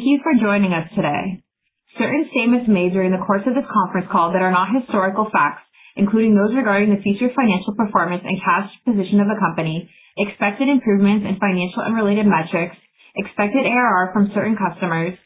Thank you for joining us today. Certain statements made during the course of this conference call that are not historical facts, including those regarding the future financial performance and cash position of the company, expected improvements in financial and related metrics, expected ARR from certain customers,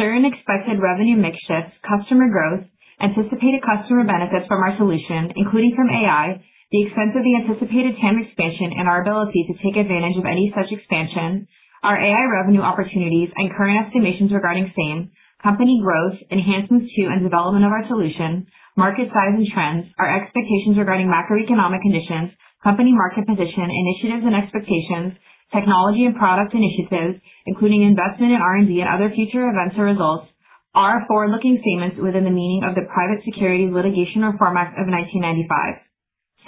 certain expected revenue mix shifts, customer growth, anticipated customer benefits from our solution, including from AI, the extent of the anticipated TAM expansion and our ability to take advantage of any such expansion, our AI revenue opportunities, and current estimations regarding SAM, company growth, enhancements to and development of our solution, market size and trends, our expectations regarding macroeconomic conditions, company market position, initiatives and expectations, technology and product initiatives, including investment in R&D and other future events or results, are our forward-looking statements within the meaning of the Private Securities Litigation Reform Act of 1995.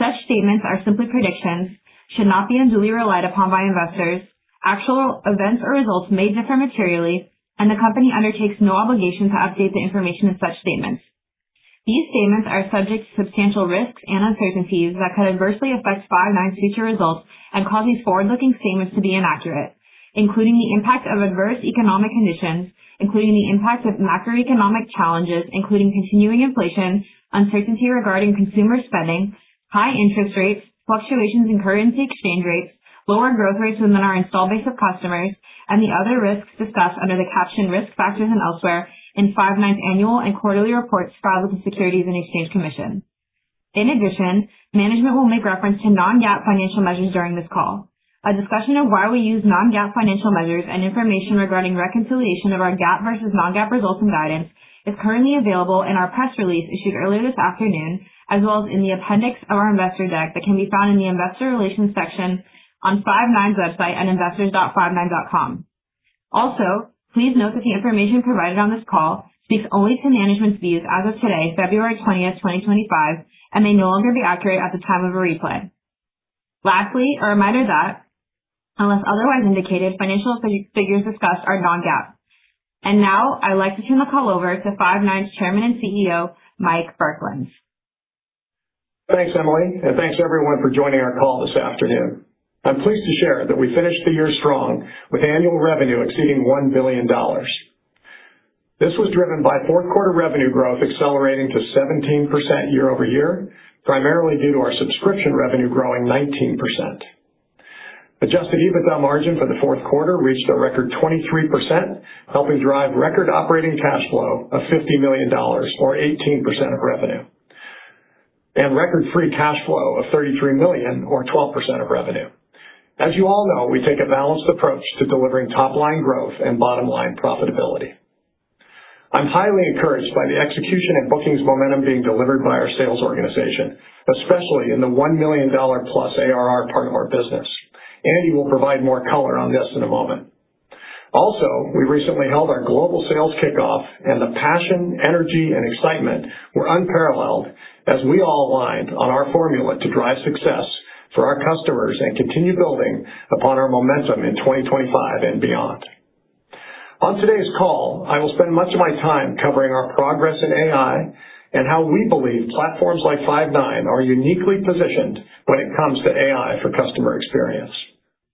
Such statements are simply predictions, should not be unduly relied upon by investors, actual events or results may differ materially, and the company undertakes no obligation to update the information in such statements. These statements are subject to substantial risks and uncertainties that could adversely affect Five9's future results and cause these forward-looking statements to be inaccurate, including the impact of adverse economic conditions, including the impact of macroeconomic challenges, including continuing inflation, uncertainty regarding consumer spending, high interest rates, fluctuations in currency exchange rates, lower growth rates within our installed base of customers, and the other risks discussed under the captioned risk factors and elsewhere in Five9's annual and quarterly reports filed with the Securities and Exchange Commission. In addition, management will make reference to non-GAAP financial measures during this call. A discussion of why we use non-GAAP financial measures and information regarding reconciliation of our GAAP versus non-GAAP results and guidance is currently available in our press release issued earlier this afternoon, as well as in the appendix of our investor deck that can be found in the investor relations section on Five9's website at investors.five9.com. Also, please note that the information provided on this call speaks only to management's views as of today, February 20, 2025, and may no longer be accurate at the time of a replay. Lastly, a reminder that, unless otherwise indicated, financial figures discussed are non-GAAP. And now I'd like to turn the call over to Five9's Chairman and CEO, Mike Burkland. Thanks, Emily, and thanks everyone for joining our call this afternoon. I'm pleased to share that we finished the year strong with annual revenue exceeding $1 billion. This was driven by fourth quarter revenue growth accelerating to 17% year-over-year, primarily due to our subscription revenue growing 19%. Adjusted EBITDA margin for the fourth quarter reached a record 23%, helping drive record operating cash flow of $50 million, or 18% of revenue, and record free cash flow of $33 million, or 12% of revenue. As you all know, we take a balanced approach to delivering top-line growth and bottom-line profitability. I'm highly encouraged by the execution and bookings momentum being delivered by our sales organization, especially in the $1+ million ARR part of our business. Andy will provide more color on this in a moment. Also, we recently held our global sales kickoff, and the passion, energy, and excitement were unparalleled as we all aligned on our formula to drive success for our customers and continue building upon our momentum in 2025 and beyond. On today's call, I will spend much of my time covering our progress in AI and how we believe platforms like Five9 are uniquely positioned when it comes to AI for customer experience.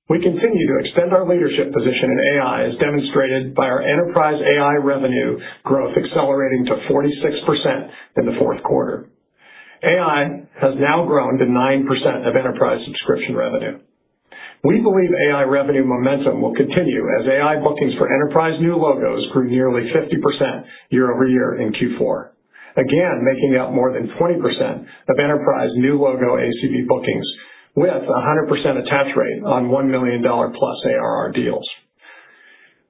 We continue to extend our leadership position in AI, as demonstrated by our enterprise AI revenue growth accelerating to 46% in the fourth quarter. AI has now grown to 9% of enterprise subscription revenue. We believe AI revenue momentum will continue as AI bookings for enterprise new logos grew nearly 50% year-over-year in Q4, again making up more than 20% of enterprise new logo ACV bookings with a 100% attach rate on $1+ millionARR deals.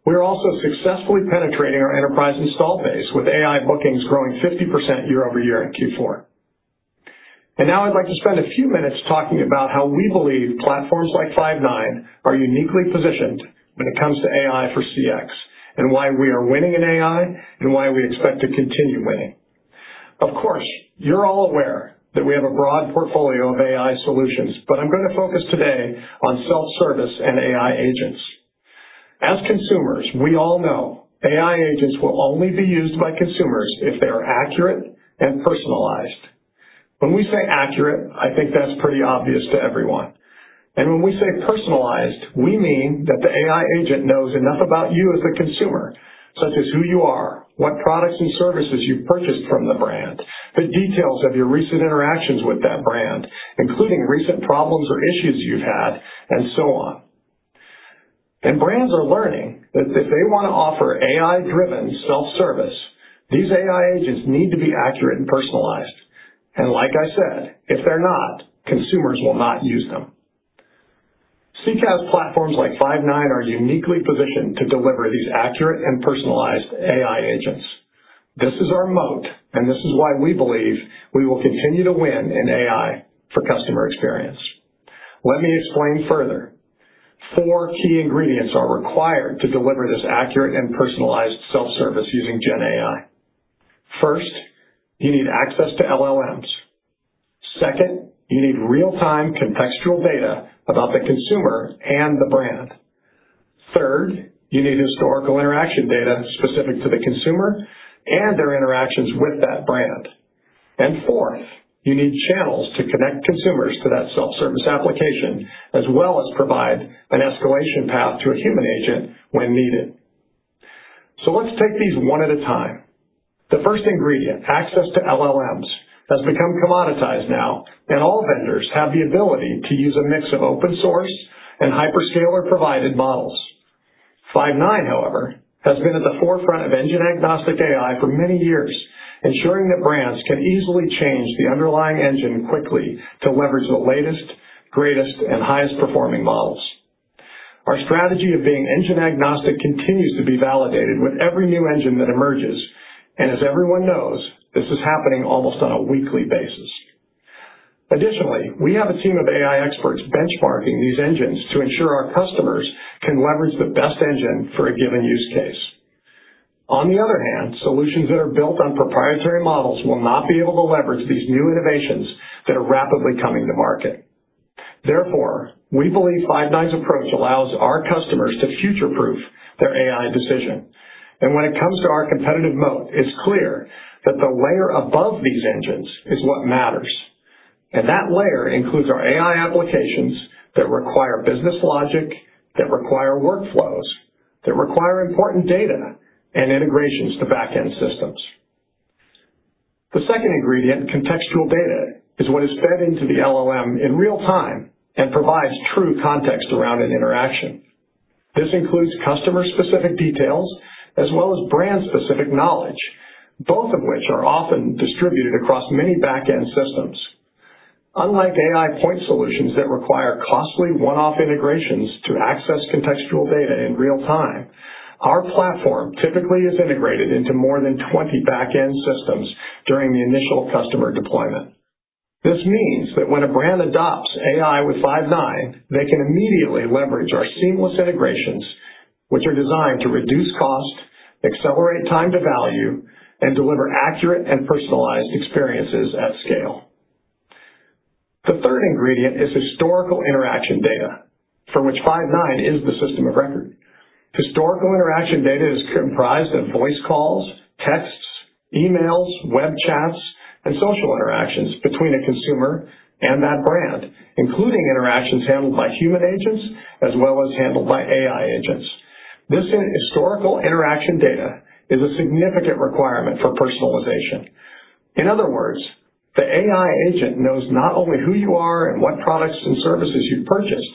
We're also successfully penetrating our enterprise installed base with AI bookings growing 50% year-over-year in Q4. And now I'd like to spend a few minutes talking about how we believe platforms like Five9 are uniquely positioned when it comes to AI for CX and why we are winning in AI and why we expect to continue winning. Of course, you're all aware that we have a broad portfolio of AI solutions, but I'm going to focus today on self-service and AI agents. As consumers, we all know AI agents will only be used by consumers if they are accurate and personalized. When we say accurate, I think that's pretty obvious to everyone. And when we say personalized, we mean that the AI agent knows enough about you as a consumer, such as who you are, what products and services you've purchased from the brand, the details of your recent interactions with that brand, including recent problems or issues you've had, and so on. And brands are learning that if they want to offer AI-driven self-service, these AI agents need to be accurate and personalized. And like I said, if they're not, consumers will not use them. CCaaS platforms like Five9 are uniquely positioned to deliver these accurate and personalized AI agents. This is our moat, and this is why we believe we will continue to win in AI for customer experience. Let me explain further. Four key ingredients are required to deliver this accurate and personalized self-service using GenAI. First, you need access to LLMs. Second, you need real-time contextual data about the consumer and the brand. Third, you need historical interaction data specific to the consumer and their interactions with that brand. And fourth, you need channels to connect consumers to that self-service application, as well as provide an escalation path to a human agent when needed. So let's take these one at a time. The first ingredient, access to LLMs, has become commoditized now, and all vendors have the ability to use a mix of open-source and hyperscaler-provided models. Five9, however, has been at the forefront of engine-agnostic AI for many years, ensuring that brands can easily change the underlying engine quickly to leverage the latest, greatest, and highest-performing models. Our strategy of being engine-agnostic continues to be validated with every new engine that emerges, and as everyone knows, this is happening almost on a weekly basis. Additionally, we have a team of AI experts benchmarking these engines to ensure our customers can leverage the best engine for a given use case. On the other hand, solutions that are built on proprietary models will not be able to leverage these new innovations that are rapidly coming to market. Therefore, we believe Five9's approach allows our customers to future-proof their AI decision. And when it comes to our competitive moat, it's clear that the layer above these engines is what matters. And that layer includes our AI applications that require business logic, that require workflows, that require important data and integrations to back-end systems. The second ingredient, contextual data, is what is fed into the LLM in real time and provides true context around an interaction. This includes customer-specific details as well as brand-specific knowledge, both of which are often distributed across many back-end systems. Unlike AI point solutions that require costly one-off integrations to access contextual data in real time, our platform typically is integrated into more than 20 back-end systems during the initial customer deployment. This means that when a brand adopts AI with Five9, they can immediately leverage our seamless integrations, which are designed to reduce cost, accelerate time to value, and deliver accurate and personalized experiences at scale. The third ingredient is historical interaction data, for which Five9 is the system of record. Historical interaction data is comprised of voice calls, texts, emails, web chats, and social interactions between a consumer and that brand, including interactions handled by human agents as well as handled by AI agents. This historical interaction data is a significant requirement for personalization. In other words, the AI agent knows not only who you are and what products and services you've purchased,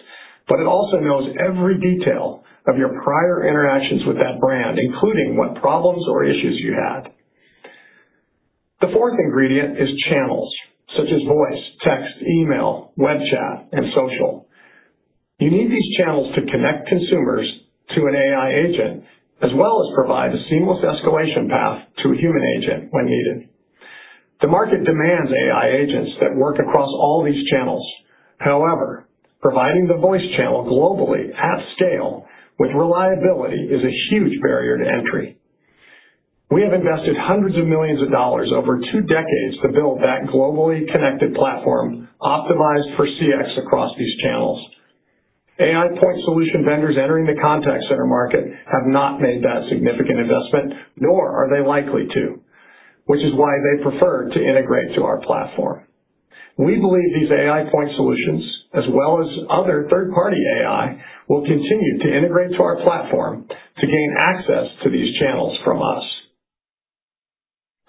but it also knows every detail of your prior interactions with that brand, including what problems or issues you had. The fourth ingredient is channels, such as voice, text, email, web chat, and social. You need these channels to connect consumers to an AI agent as well as provide a seamless escalation path to a human agent when needed. The market demands AI agents that work across all these channels. However, providing the voice channel globally at scale with reliability is a huge barrier to entry. We have invested hundreds of millions of dollars over two decades to build that globally connected platform optimized for CX across these channels. AI point solution vendors entering the contact center market have not made that significant investment, nor are they likely to, which is why they prefer to integrate to our platform. We believe these AI point solutions, as well as other third-party AI, will continue to integrate to our platform to gain access to these channels from us.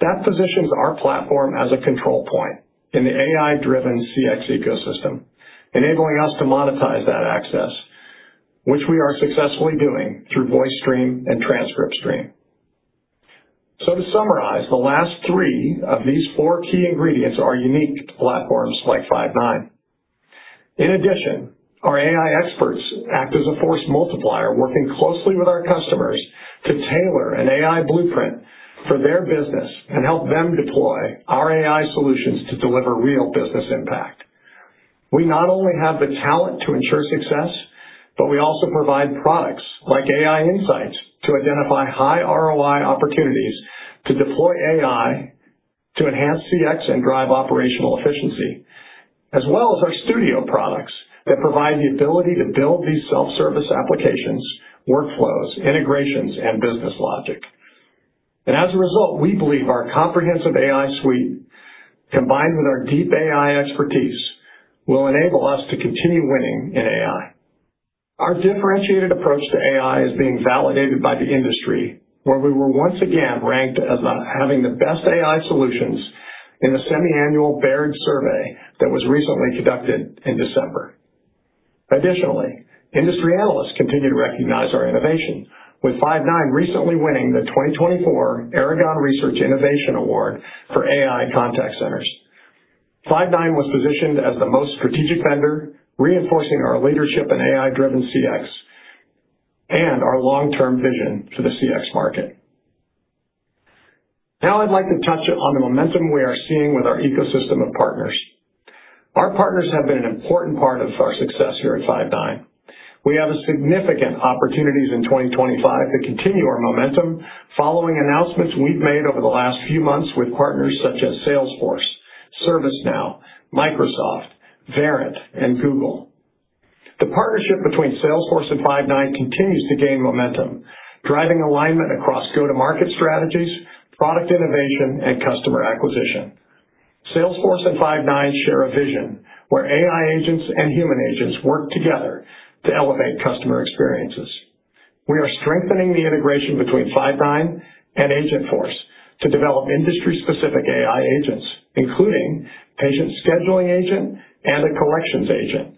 That positions our platform as a control point in the AI-driven CX ecosystem, enabling us to monetize that access, which we are successfully doing through VoiceStream and TranscriptStream, so to summarize, the last three of these four key ingredients are unique to platforms like Five9. In addition, our AI experts act as a force multiplier, working closely with our customers to tailor an AI blueprint for their business and help them deploy our AI solutions to deliver real business impact. We not only have the talent to ensure success, but we also provide products like AI Insights to identify high ROI opportunities to deploy AI to enhance CX and drive operational efficiency, as well as our studio products that provide the ability to build these self-service applications, workflows, integrations, and business logic. And as a result, we believe our comprehensive AI suite, combined with our deep AI expertise, will enable us to continue winning in AI. Our differentiated approach to AI is being validated by the industry, where we were once again ranked as having the best AI solutions in a semi-annual Baird survey that was recently conducted in December. Additionally, industry analysts continue to recognize our innovation, with Five9 recently winning the 2024 Aragon Research Innovation Award for AI contact centers. Five9 was positioned as the most strategic vendor, reinforcing our leadership in AI-driven CX and our long-term vision for the CX market. Now I'd like to touch on the momentum we are seeing with our ecosystem of partners. Our partners have been an important part of our success here at Five9. We have significant opportunities in 2025 to continue our momentum following announcements we've made over the last few months with partners such as Salesforce, ServiceNow, Microsoft, Verint, and Google. The partnership between Salesforce and Five9 continues to gain momentum, driving alignment across go-to-market strategies, product innovation, and customer acquisition. Salesforce and Five9 share a vision where AI agents and human agents work together to elevate customer experiences. We are strengthening the integration between Five9 and Agentforce to develop industry-specific AI agents, including patient scheduling agent and a collections agent.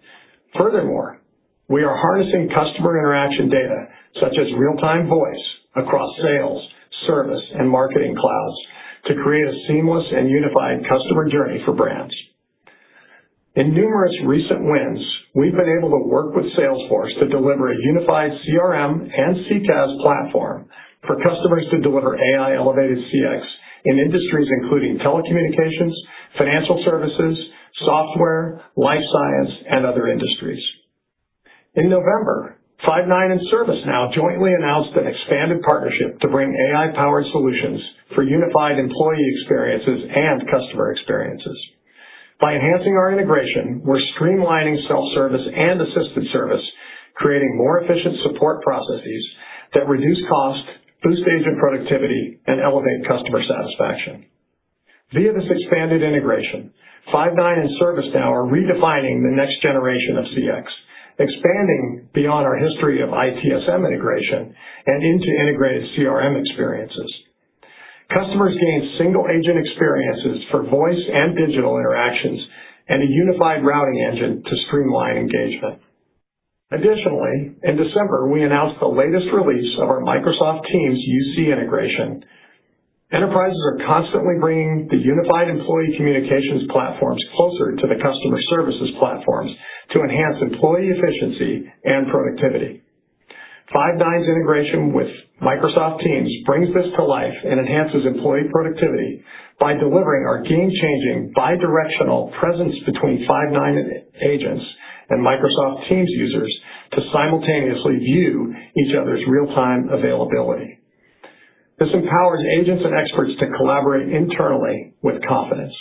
Furthermore, we are harnessing customer interaction data, such as real-time voice, across sales, service, and marketing clouds, to create a seamless and unified customer journey for brands. In numerous recent wins, we've been able to work with Salesforce to deliver a unified CRM and CCaaS platform for customers to deliver AI-elevated CX in industries including telecommunications, financial services, software, life science, and other industries. In November, Five9 and ServiceNow jointly announced an expanded partnership to bring AI-powered solutions for unified employee experiences and customer experiences. By enhancing our integration, we're streamlining self-service and assisted service, creating more efficient support processes that reduce cost, boost agent productivity, and elevate customer satisfaction. Via this expanded integration, Five9 and ServiceNow are redefining the next generation of CX, expanding beyond our history of ITSM integration and into integrated CRM experiences. Customers gain single-agent experiences for voice and digital interactions and a unified routing engine to streamline engagement. Additionally, in December, we announced the latest release of our Microsoft Teams UC integration. Enterprises are constantly bringing the unified employee communications platforms closer to the customer services platforms to enhance employee efficiency and productivity. Five9's integration with Microsoft Teams brings this to life and enhances employee productivity by delivering our game-changing bidirectional presence between Five9 agents and Microsoft Teams users to simultaneously view each other's real-time availability. This empowers agents and experts to collaborate internally with confidence.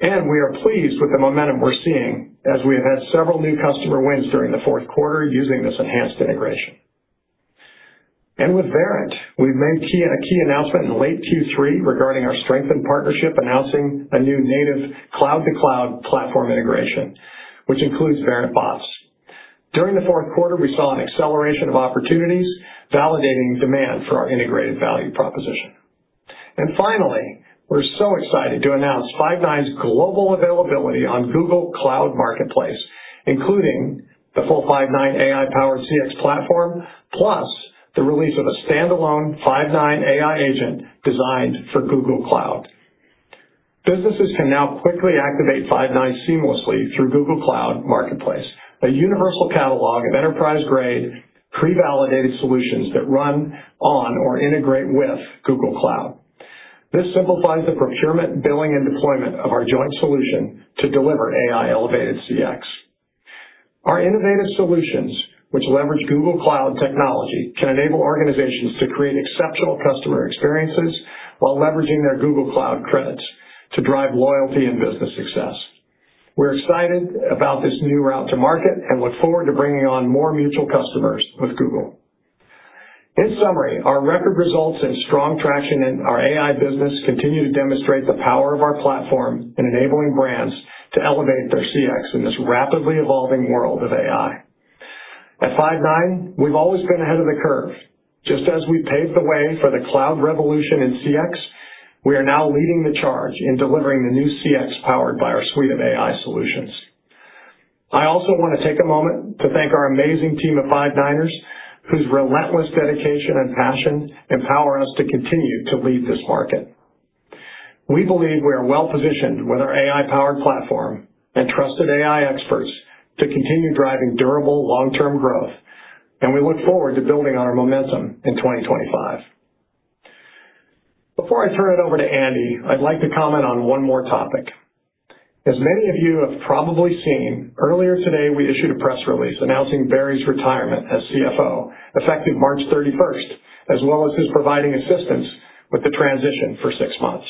And we are pleased with the momentum we're seeing as we have had several new customer wins during the fourth quarter using this enhanced integration. And with Verint, we've made a key announcement in late Q3 regarding our strengthened partnership, announcing a new native cloud-to-cloud platform integration, which includes Verint Bots. During the fourth quarter, we saw an acceleration of opportunities, validating demand for our integrated value proposition, and finally, we're so excited to announce Five9's global availability on Google Cloud Marketplace, including the full Five9 AI-powered CX platform, plus the release of a standalone Five9 AI Agent designed for Google Cloud. Businesses can now quickly activate Five9 seamlessly through Google Cloud Marketplace, a universal catalog of enterprise-grade, pre-validated solutions that run on or integrate with Google Cloud. This simplifies the procurement, billing, and deployment of our joint solution to deliver AI-elevated CX. Our innovative solutions, which leverage Google Cloud technology, can enable organizations to create exceptional customer experiences while leveraging their Google Cloud credits to drive loyalty and business success. We're excited about this new route to market and look forward to bringing on more mutual customers with Google. In summary, our record results and strong traction in our AI business continue to demonstrate the power of our platform in enabling brands to elevate their CX in this rapidly evolving world of AI. At Five9, we've always been ahead of the curve. Just as we paved the way for the cloud revolution in CX, we are now leading the charge in delivering the new CX powered by our suite of AI solutions. I also want to take a moment to thank our amazing team of Five9ers, whose relentless dedication and passion empower us to continue to lead this market. We believe we are well-positioned with our AI-powered platform and trusted AI experts to continue driving durable long-term growth, and we look forward to building on our momentum in 2025. Before I turn it over to Andy, I'd like to comment on one more topic. As many of you have probably seen, earlier today, we issued a press release announcing Barry's retirement as CFO, effective March 31st, as well as his providing assistance with the transition for six months.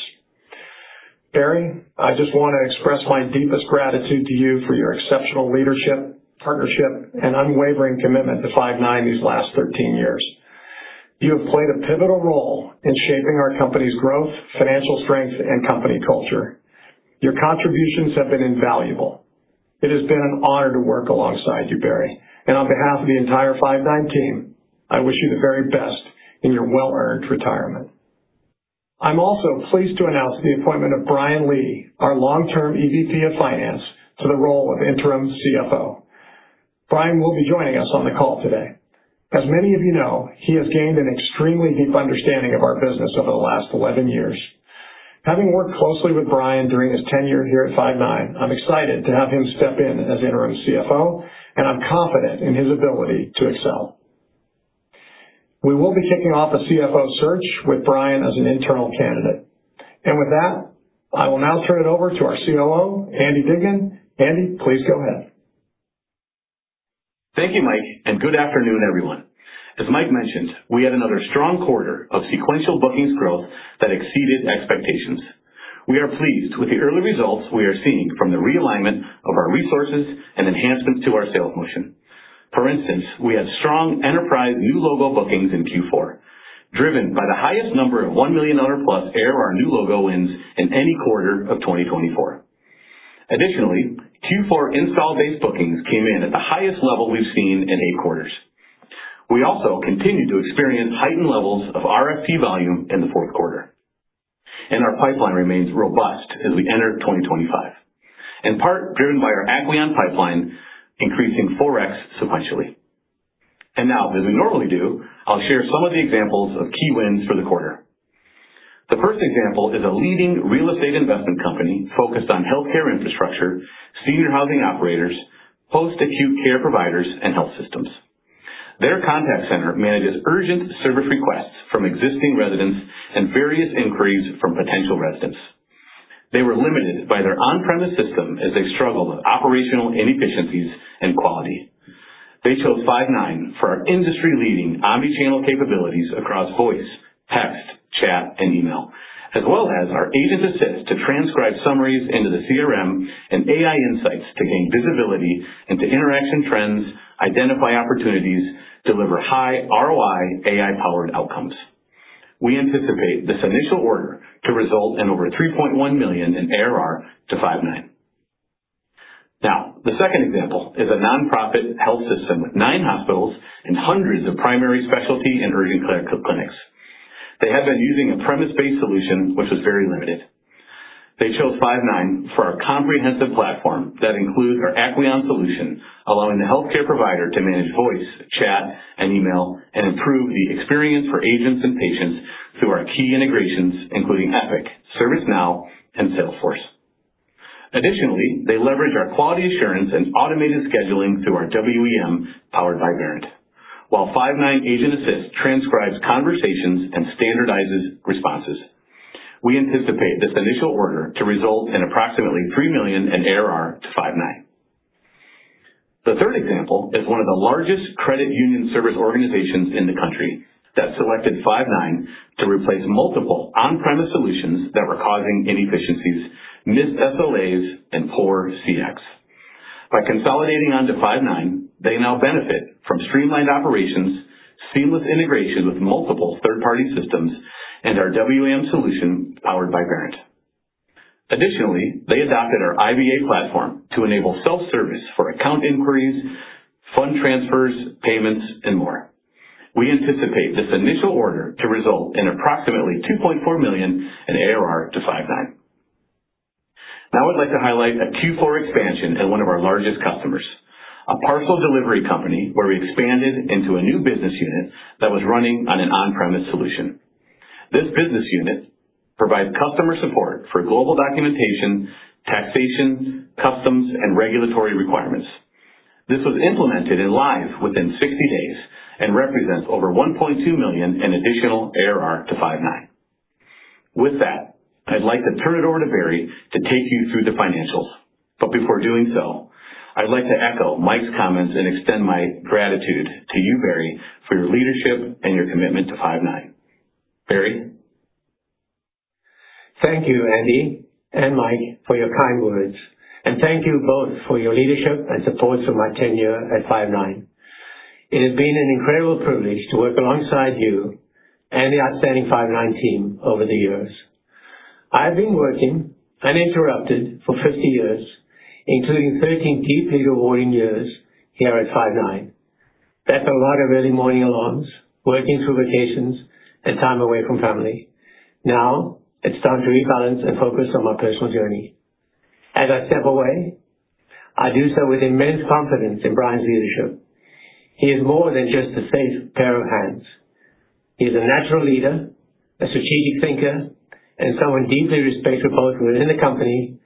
Barry, I just want to express my deepest gratitude to you for your exceptional leadership, partnership, and unwavering commitment to Five9 these last 13 years. You have played a pivotal role in shaping our company's growth, financial strength, and company culture. Your contributions have been invaluable. It has been an honor to work alongside you, Barry. And on behalf of the entire Five9 team, I wish you the very best in your well-earned retirement. I'm also pleased to announce the appointment of Brian Lee, our long-term EVP of Finance, to the role of interim CFO. Brian will be joining us on the call today. As many of you know, he has gained an extremely deep understanding of our business over the last 11 years. Having worked closely with Brian during his tenure here at Five9, I'm excited to have him step in as interim CFO, and I'm confident in his ability to excel. We will be kicking off a CFO search with Brian as an internal candidate. And with that, I will now turn it over to our COO, Andy Dignan. Andy, please go ahead. Thank you, Mike, and good afternoon, everyone. As Mike mentioned, we had another strong quarter of sequential bookings growth that exceeded expectations. We are pleased with the early results we are seeing from the realignment of our resources and enhancements to our sales motion. For instance, we had strong enterprise new logo bookings in Q4, driven by the highest number of $1 million-plus ARR new logo wins in any quarter of 2024. Additionally, Q4 install-based bookings came in at the highest level we've seen in eight quarters. We also continue to experience heightened levels of RFP volume in the fourth quarter. And our pipeline remains robust as we enter 2025, in part driven by our Acqueon pipeline increasing 4X sequentially. And now, as we normally do, I'll share some of the examples of key wins for the quarter. The first example is a leading real estate investment company focused on healthcare infrastructure, senior housing operators, post-acute care providers, and health systems. Their contact center manages urgent service requests from existing residents and various inquiries from potential residents. They were limited by their on-premise system as they struggled with operational inefficiencies and quality. They chose Five9 for our industry-leading omnichannel capabilities across voice, text, chat, and email, as well as our agent assist to transcribe summaries into the CRM and AI insights to gain visibility into interaction trends, identify opportunities, and deliver high ROI AI-powered outcomes. We anticipate this initial order to result in over $3.1 million in ARR to Five9. Now, the second example is a nonprofit health system with nine hospitals and hundreds of primary specialty and urgent care clinics. They had been using an on-premise solution, which was very limited. They chose Five9 for our comprehensive platform that includes our Acqueon solution, allowing the healthcare provider to manage voice, chat, and email, and improve the experience for agents and patients through our key integrations, including Epic, ServiceNow, and Salesforce. Additionally, they leverage our quality assurance and automated scheduling through our WEM powered by Verint, while Five9 Agent Assist transcribes conversations and standardizes responses. We anticipate this initial order to result in approximately $3 million in ARR to Five9. The third example is one of the largest credit union service organizations in the country that selected Five9 to replace multiple on-premise solutions that were causing inefficiencies, missed SLAs, and poor CX. By consolidating onto Five9, they now benefit from streamlined operations, seamless integration with multiple third-party systems, and our WEM solution powered by Verint. Additionally, they adopted our IVA platform to enable self-service for account inquiries, fund transfers, payments, and more. We anticipate this initial order to result in approximately $2.4 million in ARR to Five9. Now, I'd like to highlight a Q4 expansion at one of our largest customers, a parcel delivery company where we expanded into a new business unit that was running on an on-premise solution. This business unit provides customer support for global documentation, taxation, customs, and regulatory requirements. This was implemented live within 60 days and represents over $1.2 million in additional ARR to Five9. With that, I'd like to turn it over to Barry to take you through the financials. But before doing so, I'd like to echo Mike's comments and extend my gratitude to you, Barry, for your leadership and your commitment to Five9. Barry. Thank you, Andy and Mike, for your kind words. And thank you both for your leadership and support through my tenure at Five9. It has been an incredible privilege to work alongside you and the outstanding Five9 team over the years. I have been working uninterrupted for 50 years, including 13 deeply rewarding years here at Five9. That's a lot of early morning alarms, working through vacations, and time away from family. Now, it's time to rebalance and focus on my personal journey. As I step away, I do so with immense confidence in Brian's leadership. He is more than just a safe pair of hands. He is a natural leader, a strategic thinker, and someone deeply respected both within the company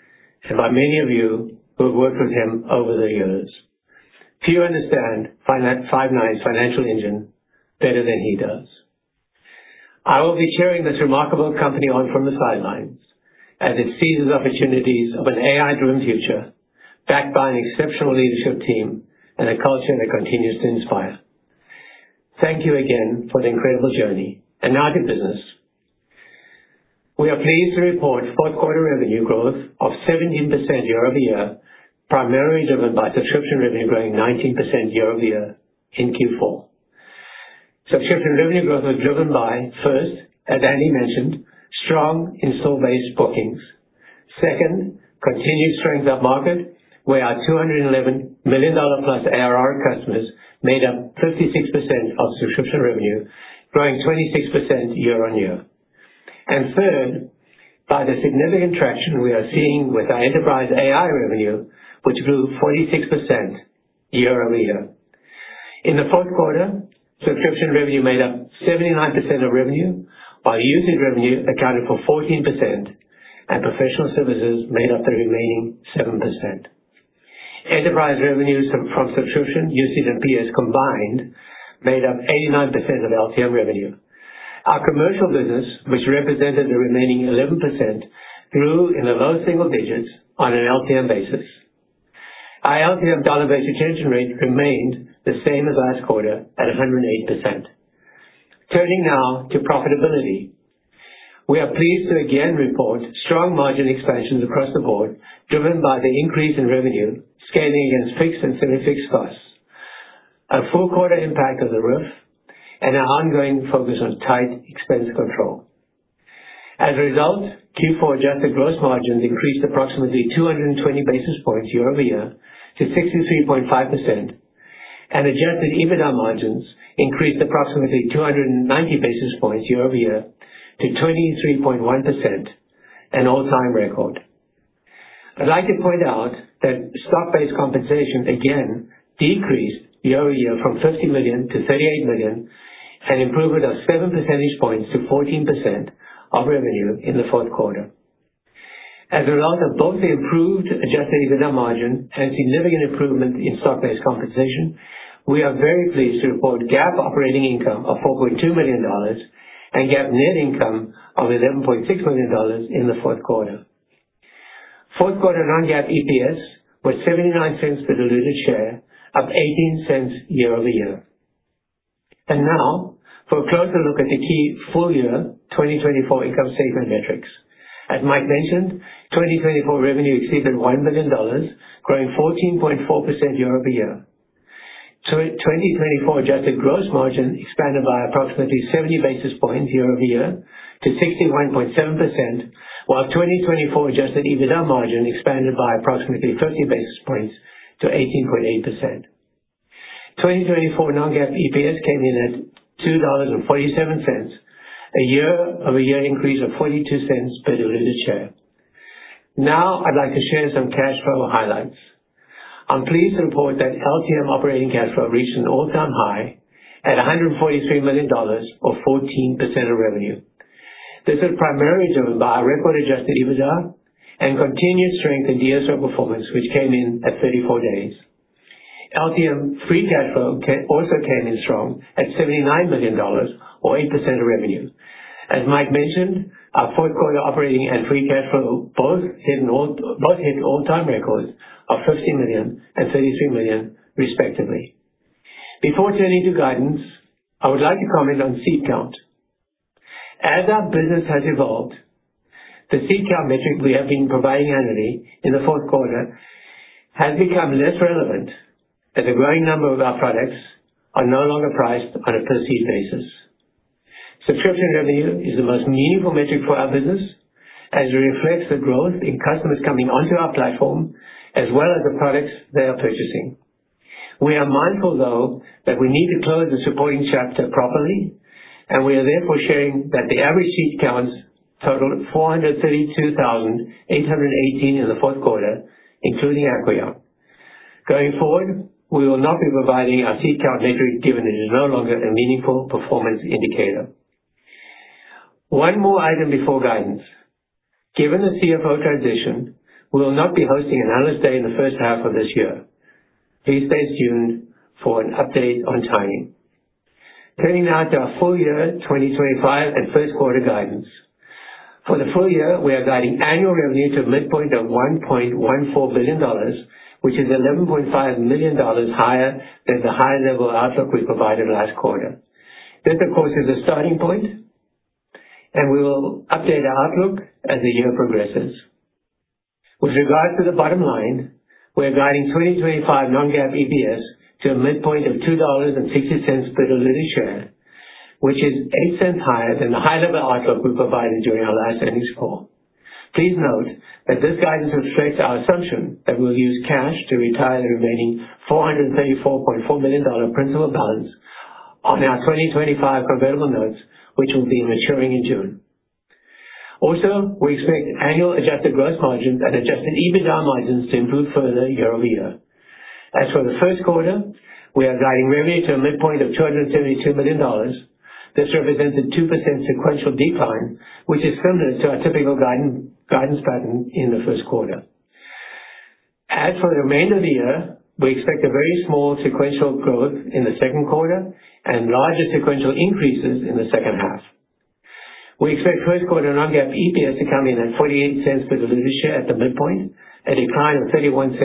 and by many of you who have worked with him over the years. Few understand Five9's financial engine better than he does. I will be cheering this remarkable company on from the sidelines as it seizes opportunities of an AI-driven future backed by an exceptional leadership team and a culture that continues to inspire. Thank you again for the incredible journey. And now to business. We are pleased to report fourth-quarter revenue growth of 17% year-over-year, primarily driven by subscription revenue growing 19% year-over-year in Q4. Subscription revenue growth was driven by, first, as Andy mentioned, strong installed-base bookings. Second, continued strength in the market, where our $211+ million ARR customers made up 56% of subscription revenue, growing 26% year-over-year. And third, by the significant traction we are seeing with our enterprise AI revenue, which grew 46% year-over-year. In the fourth quarter, subscription revenue made up 79% of revenue, while usage revenue accounted for 14%, and professional services made up the remaining 7%. Enterprise revenues from subscription, usage, and PS combined made up 89% of LTM revenue. Our commercial business, which represented the remaining 11%, grew in the low single digits on an LTM basis. Our LTM dollar-based retention rate remained the same as last quarter at 108%. Turning now to profitability, we are pleased to again report strong margin expansions across the board, driven by the increase in revenue scaling against fixed and semi-fixed costs, a four-quarter impact of the RUF, and our ongoing focus on tight expense control. As a result, Q4 adjusted gross margins increased approximately 220 basis points year-over-year to 63.5%, and adjusted EBITDA margins increased approximately 290 basis points year-over-year to 23.1%, an all-time record. I'd like to point out that stock-based compensation again decreased year-over-year from $50 million-$38 million and improved it by 7 percentage points to 14% of revenue in the fourth quarter. As a result of both the improved adjusted EBITDA margin and significant improvement in stock-based compensation, we are very pleased to report GAAP operating income of $4.2 million and GAAP net income of $11.6 million in the fourth quarter. Fourth-quarter non-GAAP EPS was $0.79 per diluted share, up $0.18 year-over-year. Now, for a closer look at the key full-year 2024 income statement metrics. As Mike mentioned, 2024 revenue exceeded $1 million, growing 14.4% year-over-year. 2024 adjusted gross margin expanded by approximately 70 basis points year-over-year to 61.7%, while 2024 adjusted EBITDA margin expanded by approximately 30 basis points to 18.8%. 2024 non-GAAP EPS came in at $2.47, a year-over-year increase of $0.42 per diluted share. Now, I'd like to share some cash flow highlights. I'm pleased to report that LTM operating cash flow reached an all-time high at $143 million, or 14% of revenue. This was primarily driven by our record adjusted EBITDA and continued strength in DSO performance, which came in at 34 days. LTM free cash flow also came in strong at $79 million, or 8% of revenue. As Mike mentioned, our fourth-quarter operating and free cash flow both hit all-time records of $15 million and $33 million, respectively. Before turning to guidance, I would like to comment on Seed Count. As our business has evolved, the seed count metric we have been providing annually in the fourth quarter has become less relevant as a growing number of our products are no longer priced on a per seed basis. Subscription revenue is the most meaningful metric for our business as it reflects the growth in customers coming onto our platform, as well as the products they are purchasing. We are mindful, though, that we need to close the supporting chapter properly, and we are therefore sharing that the average seed counts totaled 432,818 in the fourth quarter, including Acqueon. Going forward, we will not be providing our Seed Count metric given it is no longer a meaningful performance indicator. One more item before guidance. Given the CFO transition, we will not be hosting an analyst day in the first half of this year. Please stay tuned for an update on timing. Turning now to our full-year 2025 and first-quarter guidance. For the full year, we are guiding annual revenue to a midpoint of $1.14 billion, which is $11.5 million higher than the high-level outlook we provided last quarter. This, of course, is a starting point, and we will update our outlook as the year progresses. With regards to the bottom line, we are guiding 2025 non-GAAP EPS to a midpoint of $2.60 per diluted share, which is $0.08 higher than the high-level outlook we provided during our last earnings call. Please note that this guidance reflects our assumption that we will use cash to retire the remaining $434.4 million principal balance on our 2025 convertible notes, which will be maturing in June. Also, we expect annual adjusted gross margins and adjusted EBITDA margins to improve further year-over-year. As for the first quarter, we are guiding revenue to a midpoint of $272 million. This represents a 2% sequential decline, which is similar to our typical guidance pattern in the first quarter. As for the remainder of the year, we expect a very small sequential growth in the second quarter and larger sequential increases in the second half. We expect first-quarter non-GAAP EPS to come in at $0.48 per diluted share at the midpoint, a decline of $0.31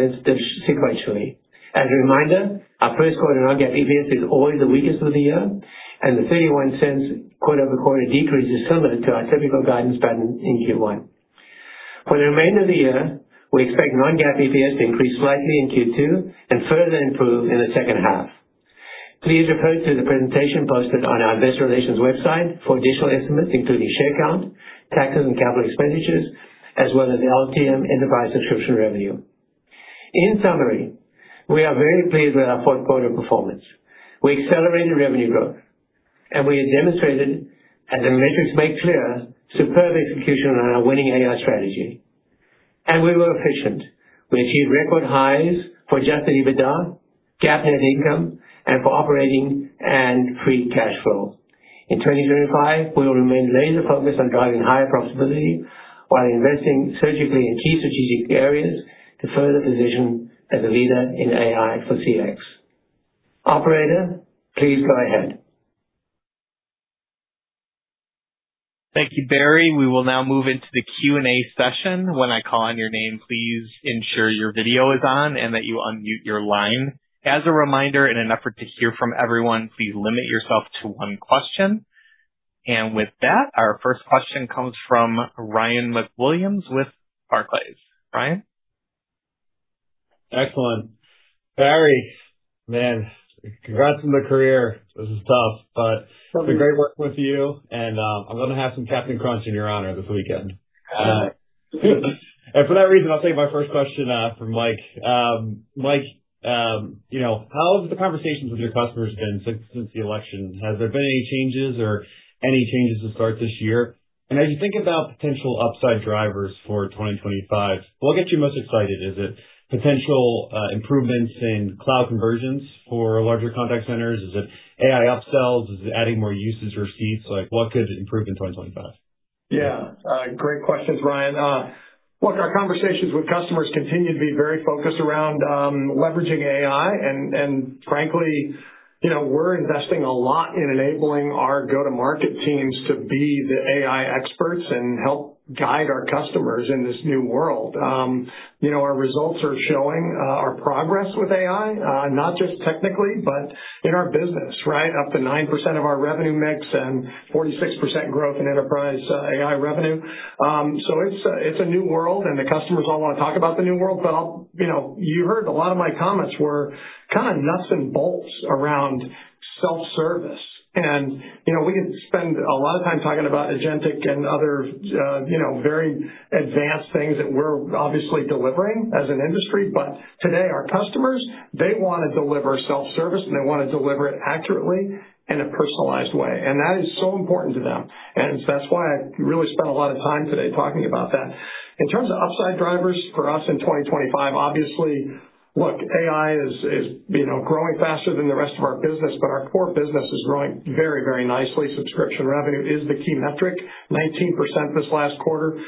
sequentially. As a reminder, our first-quarter non-GAAP EPS is always the weakest of the year, and the $0.31 quarter-over-quarter decrease is similar to our typical guidance pattern in Q1. For the remainder of the year, we expect non-GAAP EPS to increase slightly in Q2 and further improve in the second half. Please refer to the presentation posted on our Investor Relations website for additional estimates, including share count, taxes, and capital expenditures, as well as LTM enterprise subscription revenue. In summary, we are very pleased with our fourth-quarter performance. We accelerated revenue growth, and we have demonstrated, as the metrics make clear, superb execution on our winning AI strategy, and we were efficient. We achieved record highs for adjusted EBITDA, GAAP net income, and for operating and free cash flow. In 2025, we will remain laser-focused on driving higher profitability while investing surgically in key strategic areas to further position as a leader in AI for CX. Operator, please go ahead. Thank you, Barry. We will now move into the Q&A session. When I call on your name, please ensure your video is on and that you unmute your line. As a reminder, in an effort to hear from everyone, please limit yourself to one question. With that, our first question comes from Ryan MacWilliams with Barclays. Ryan? Excellent. Barry, man, congrats on the career. This is tough, but it's been great working with you, and I'm going to have some Captain Crunch in your honor this weekend. For that reason, I'll take my first question from Mike. Mike, how have the conversations with your customers been since the election? Has there been any changes to start this year? And as you think about potential upside drivers for 2025, what gets you most excited? Is it potential improvements in cloud conversions for larger contact centers? Is it AI upsells? Is it adding more usage receipts? What could improve in 2025? Yeah. Great questions, Ryan. Look, our conversations with customers continue to be very focused around leveraging AI. And frankly, we're investing a lot in enabling our go-to-market teams to be the AI experts and help guide our customers in this new world. Our results are showing our progress with AI, not just technically, but in our business, right? Up to 9% of our revenue mix and 46% growth in enterprise AI revenue. So it's a new world, and the customers all want to talk about the new world. But you heard a lot of my comments were kind of nuts and bolts around self-service. And we can spend a lot of time talking about Agentic and other very advanced things that we're obviously delivering as an industry. But today, our customers, they want to deliver self-service, and they want to deliver it accurately in a personalized way. And that is so important to them. And that's why I really spent a lot of time today talking about that. In terms of upside drivers for us in 2025, obviously, look, AI is growing faster than the rest of our business, but our core business is growing very, very nicely. Subscription revenue is the key metric, 19% this last quarter.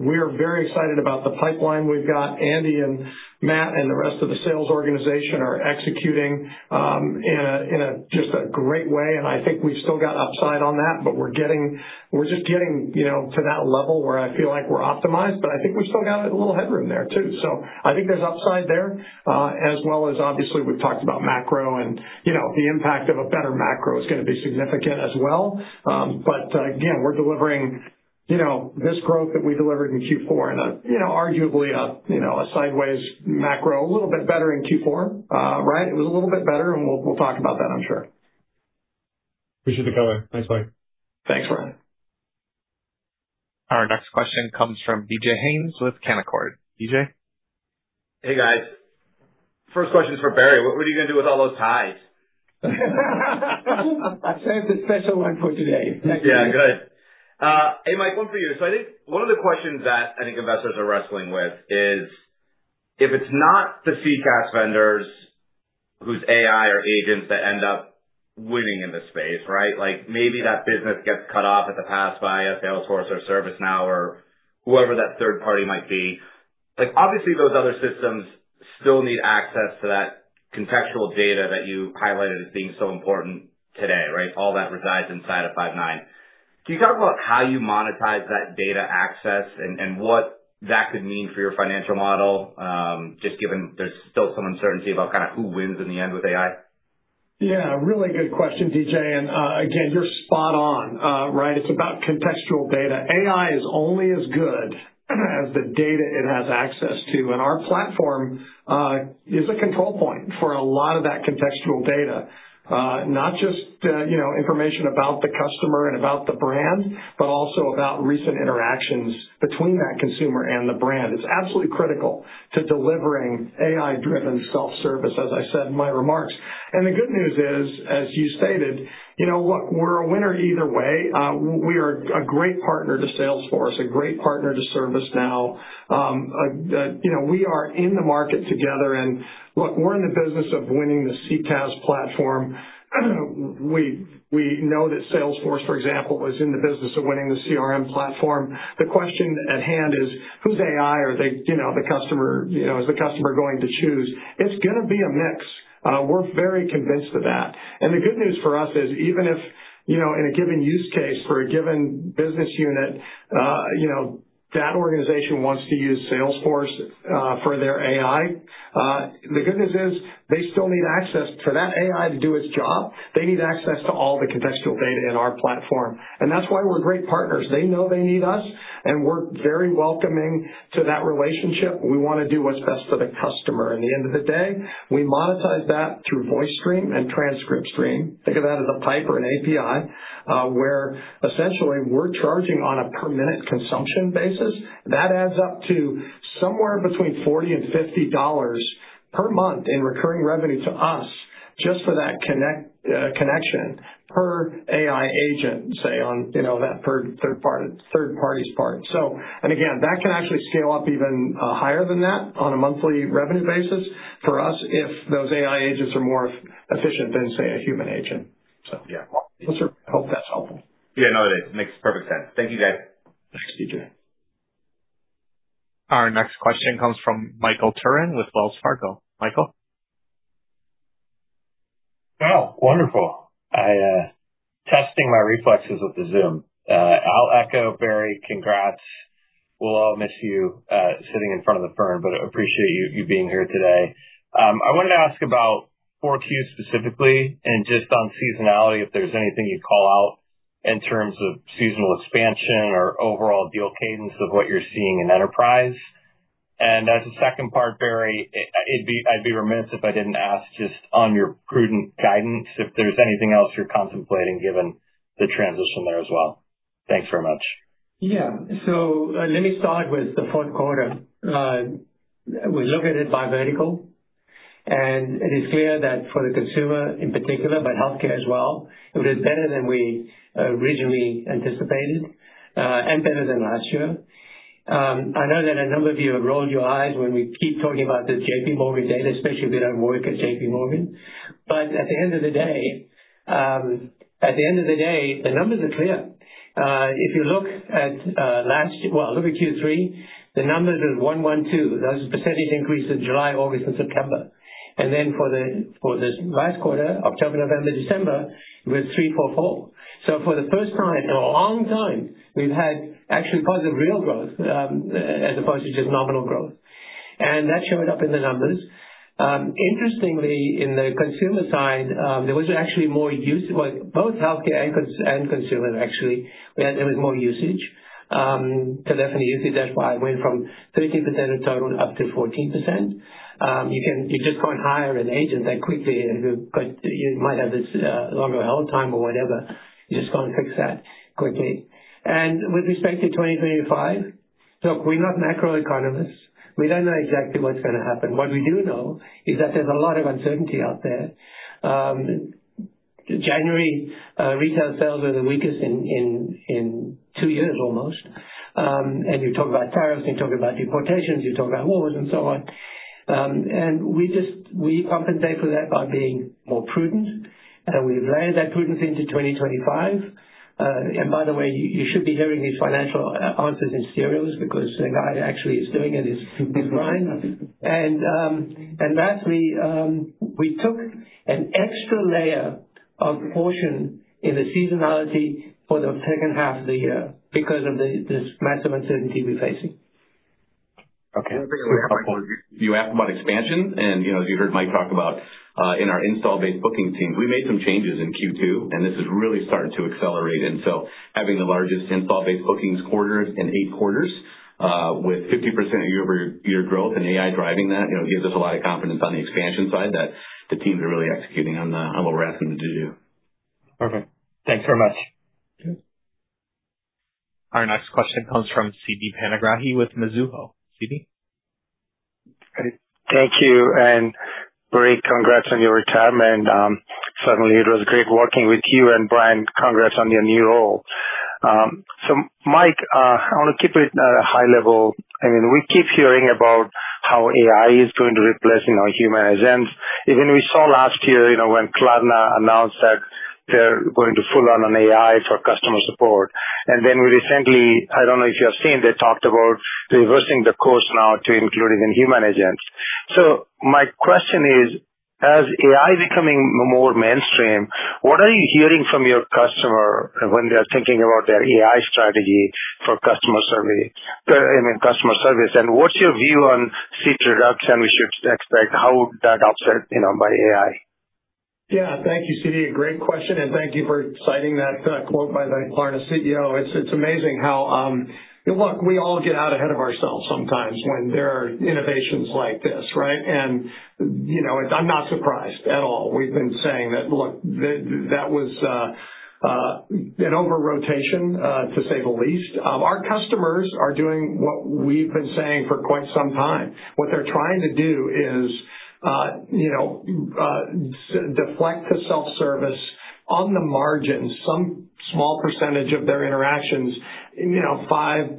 We're very excited about the pipeline we've got. Andy and Matt and the rest of the sales organization are executing in just a great way. And I think we've still got upside on that, but we're just getting to that level where I feel like we're optimized. But I think we've still got a little headroom there too. So I think there's upside there, as well as, obviously, we've talked about macro, and the impact of a better macro is going to be significant as well. But again, we're delivering this growth that we delivered in Q4 and arguably a sideways macro a little bit better in Q4, right? It was a little bit better, and we'll talk about that, I'm sure. Appreciate the color. Thanks, Mike. Thanks, Ryan. Our next question comes from DJ Hynes with Canaccord. DJ? Hey, guys. First question is for Barry. What are you going to do with all those ties? I saved the special one for today. Yeah, good. Hey, Mike, one for you. So I think one of the questions that I think investors are wrestling with is if it's not the CCaaS vendors whose AI or agents that end up winning in this space, right? Maybe that business gets cut off at the pass by a Salesforce or ServiceNow or whoever that third party might be. Obviously, those other systems still need access to that contextual data that you highlighted as being so important today, right? All that resides inside of Five9. Can you talk about how you monetize that data access and what that could mean for your financial model, just given there's still some uncertainty about kind of who wins in the end with AI? Yeah, really good question, DJ. And again, you're spot on, right? It's about contextual data. AI is only as good as the data it has access to. Our platform is a control point for a lot of that contextual data, not just information about the customer and about the brand, but also about recent interactions between that consumer and the brand. It's absolutely critical to delivering AI-driven self-service, as I said in my remarks. The good news is, as you stated, look, we're a winner either way. We are a great partner to Salesforce, a great partner to ServiceNow. We are in the market together. Look, we're in the business of winning the CCaaS platform. We know that Salesforce, for example, is in the business of winning the CRM platform. The question at hand is, who's AI? Are they the customer? Is the customer going to choose? It's going to be a mix. We're very convinced of that. And the good news for us is, even if in a given use case for a given business unit, that organization wants to use Salesforce for their AI, the good news is they still need access for that AI to do its job. They need access to all the contextual data in our platform. And that's why we're great partners. They know they need us, and we're very welcoming to that relationship. We want to do what's best for the customer. At the end of the day, we monetize that through VoiceStream and TranscriptStream. Think of that as a pipe and API, where essentially we're charging on a per-minute consumption basis. That adds up to somewhere between $40-$50 per month in recurring revenue to us just for that connection per AI agent, say, on that third party's part. So, and again, that can actually scale up even higher than that on a monthly revenue basis for us if those AI agents are more efficient than, say, a human agent. So I hope that's helpful. Yeah, I know it is. Makes perfect sense. Thank you, guys. Thanks, DJ. Our next question comes from Michael Turrin with Wells Fargo. Michael? Well, wonderful. Testing my reflexes with the Zoom. I'll echo, Barry. Congrats. We'll all miss you sitting in front of the firm, but appreciate you being here today. I wanted to ask about 4Q specifically and just on seasonality, if there's anything you'd call out in terms of seasonal expansion or overall deal cadence of what you're seeing in enterprise. And as a second part, Barry, I'd be remiss if I didn't ask just on your prudent guidance if there's anything else you're contemplating given the transition there as well. Thanks very much. Yeah. So let me start with the fourth quarter We look at it by vertical, and it is clear that for the consumer in particular, but healthcare as well, it was better than we originally anticipated and better than last year. I know that a number of you have rolled your eyes when we keep talking about the JPMorgan data, especially if you don't work at JPMorgan. But at the end of the day, at the end of the day, the numbers are clear. If you look at last, well, look at Q3, the numbers are 112%. That's a percentage increase in July, August, and September. And then for the last quarter, October, November, December, it was 344%. So for the first time in a long time, we've had actually positive real growth as opposed to just nominal growth. And that showed up in the numbers. Interestingly, in the consumer side, there was actually more use, well, both healthcare and consumer, actually, there was more usage, so definitely usage. That's why it went from 13% of total up to 14%. You just can't hire an agent that quickly. You might have this longer hold time or whatever. You just can't fix that quickly, and with respect to 2025, look, we're not macroeconomists. We don't know exactly what's going to happen. What we do know is that there's a lot of uncertainty out there. January retail sales were the weakest in two years almost, and you talk about tariffs, you talk about deportations, you talk about wars, and so on, and we compensate for that by being more prudent, and we've layered that prudence into 2025, and by the way, you should be hearing these financial answers in serials because the guy actually is doing it. He's fine. And lastly, we took an extra layer of caution in the seasonality for the second half of the year because of this massive uncertainty we're facing. Okay. One thing I want to add is you asked about expansion. And as you heard Mike talk about in our install-based booking team, we made some changes in Q2, and this is really starting to accelerate. And so having the largest install-based bookings quartered in eight quarters with 50% of year-over-year growth and AI driving that gives us a lot of confidence on the expansion side that the teams are really executing on what we're asking them to do. Perfect. Thanks very much. Our next question comes from Siti Panigrahi with Mizuho. Siti? Thank you. And Barry, congrats on your retirement. Suddenly, it was great working with you. And Brian, congrats on your new role. So Mike, I want to keep it at a high level. I mean, we keep hearing about how AI is going to replace human agents. Even we saw last year when Klarna announced that they're going to full-on on AI for customer support. And then we recently, I don't know if you have seen, they talked about reversing the course now to include even human agents. So my question is, as AI is becoming more mainstream, what are you hearing from your customer when they're thinking about their AI strategy for customer service? And what's your view on seat reduction we should expect? How would that offset by AI? Yeah, thank you, Siti. Great question. And thank you for citing that quote by the Klarna CEO. It's amazing how, look, we all get out ahead of ourselves sometimes when there are innovations like this, right? And I'm not surprised at all. We've been saying that, look, that was an over-rotation, to say the least. Our customers are doing what we've been saying for quite some time. What they're trying to do is deflect to self-service on the margin, some small percentage of their interactions, 5%-10%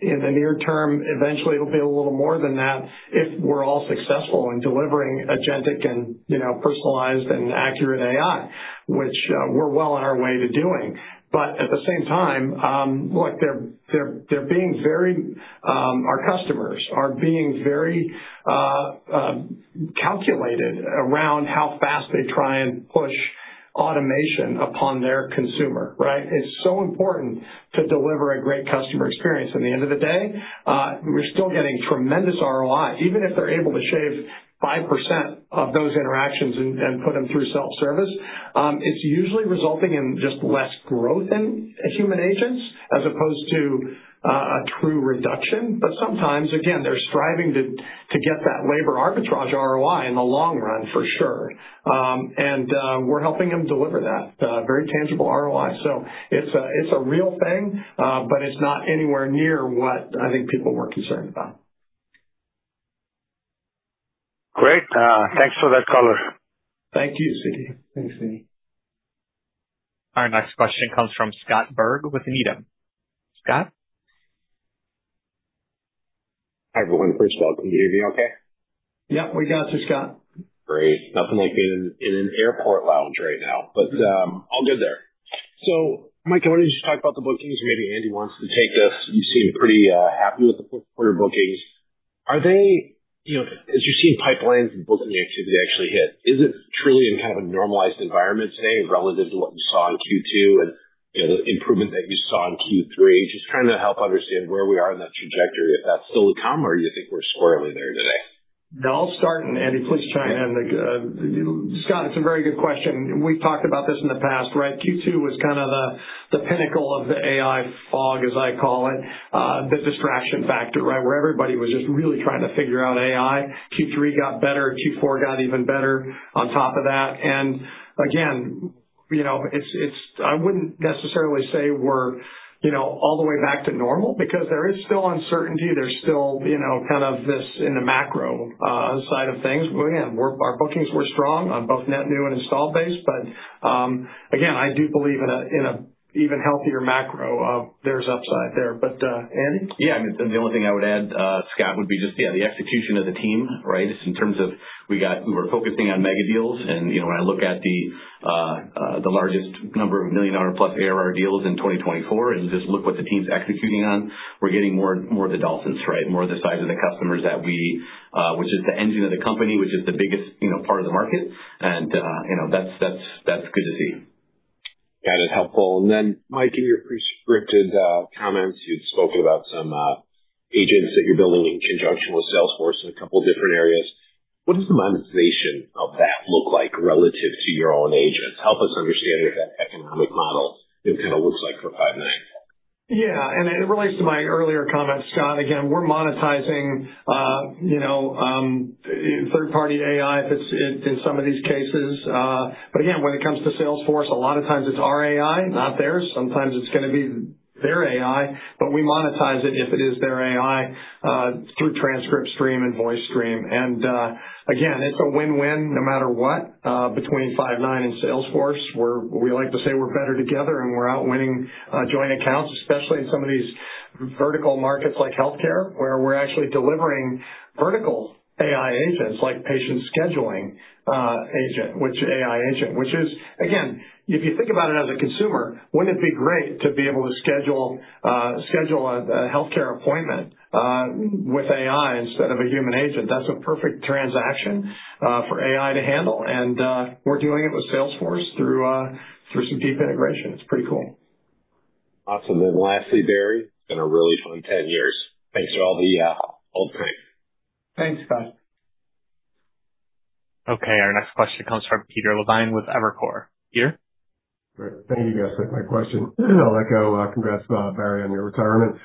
in the near term. Eventually, it'll be a little more than that if we're all successful in delivering Agentic and personalized and accurate AI, which we're well on our way to doing. But at the same time, look, they're being very, our customers are being very calculated around how fast they try and push automation upon their consumer, right? It's so important to deliver a great customer experience. In the end of the day, we're still getting tremendous ROI. Even if they're able to shave 5% of those interactions and put them through self-service, it's usually resulting in just less growth in human agents as opposed to a true reduction. But sometimes, again, they're striving to get that labor arbitrage ROI in the long run, for sure. And we're helping them deliver that very tangible ROI. So it's a real thing, but it's not anywhere near what I think people were concerned about. Great. Thanks for that color. Thank you, Siti. Thanks, Siti. Our next question comes from Scott Berg with Needham. Scott? Hi, everyone. First of all, can you hear me okay? Yep, we got you, Scott. Great. Nothing like being in an airport lounge right now, but all good there. So, Mike, I wanted to just talk about the bookings. Maybe Andy wants to take this. You seem pretty happy with the Q4 bookings. As you're seeing pipelines and booking activity actually hit, is it truly in kind of a normalized environment today relative to what you saw in Q2 and the improvement that you saw in Q3? Just trying to help understand where we are in that trajectory. If that's still to come, or do you think we're squarely there today? No, I'll start, and Andy, please chime in. Scott, it's a very good question. We've talked about this in the past, right? Q2 was kind of the pinnacle of the AI fog, as I call it, the distraction factor, right, where everybody was just really trying to figure out AI. Q3 got better. Q4 got even better on top of that. And again, I wouldn't necessarily say we're all the way back to normal because there is still uncertainty. There's still kind of this in the macro side of things. Again, our bookings were strong on both net new and installed base. But again, I do believe in an even healthier macro. There's upside there. But Andy? Yeah, I mean, the only thing I would add, Scott, would be just, yeah, the execution of the team, right? In terms of we were focusing on mega deals. And when I look at the largest number of million-plus ARR deals in 2024 and just look what the team's executing on, we're getting more of the dolphins, right? More of the size of the customers that we, which is the engine of the company, which is the biggest part of the market. And that's good to see. Got it. Helpful. And then, Mike, in your pre-scripted comments, you'd spoken about some agents that you're building in conjunction with Salesforce in a couple of different areas. What does the monetization of that look like relative to your own agents? Help us understand what that economic model kind of looks like for Five9. Yeah. And it relates to my earlier comments, Scott. Again, we're monetizing third-party AI in some of these cases. But again, when it comes to Salesforce, a lot of times it's our AI, not theirs. Sometimes it's going to be their AI, but we monetize it if it is their AI through transcript stream and voice stream. And again, it's a win-win no matter what between Five9 and Salesforce. We like to say we're better together, and we're out winning joint accounts, especially in some of these vertical markets like healthcare, where we're actually delivering vertical AI agents like patient scheduling agent, which AI agent, which is, again, if you think about it as a consumer, wouldn't it be great to be able to schedule a healthcare appointment with AI instead of a human agent? That's a perfect transaction for AI to handle. And we're doing it with Salesforce through some deep integration. It's pretty cool. Awesome. And lastly, Barry, it's been a really fun 10 years. Thanks for all the old time. Thanks, Scott. Okay. Our next question comes from Peter Levine with Evercore. Peter? Thank you, guys. My question. I'll let go. Congrats, Barry, on your retirement.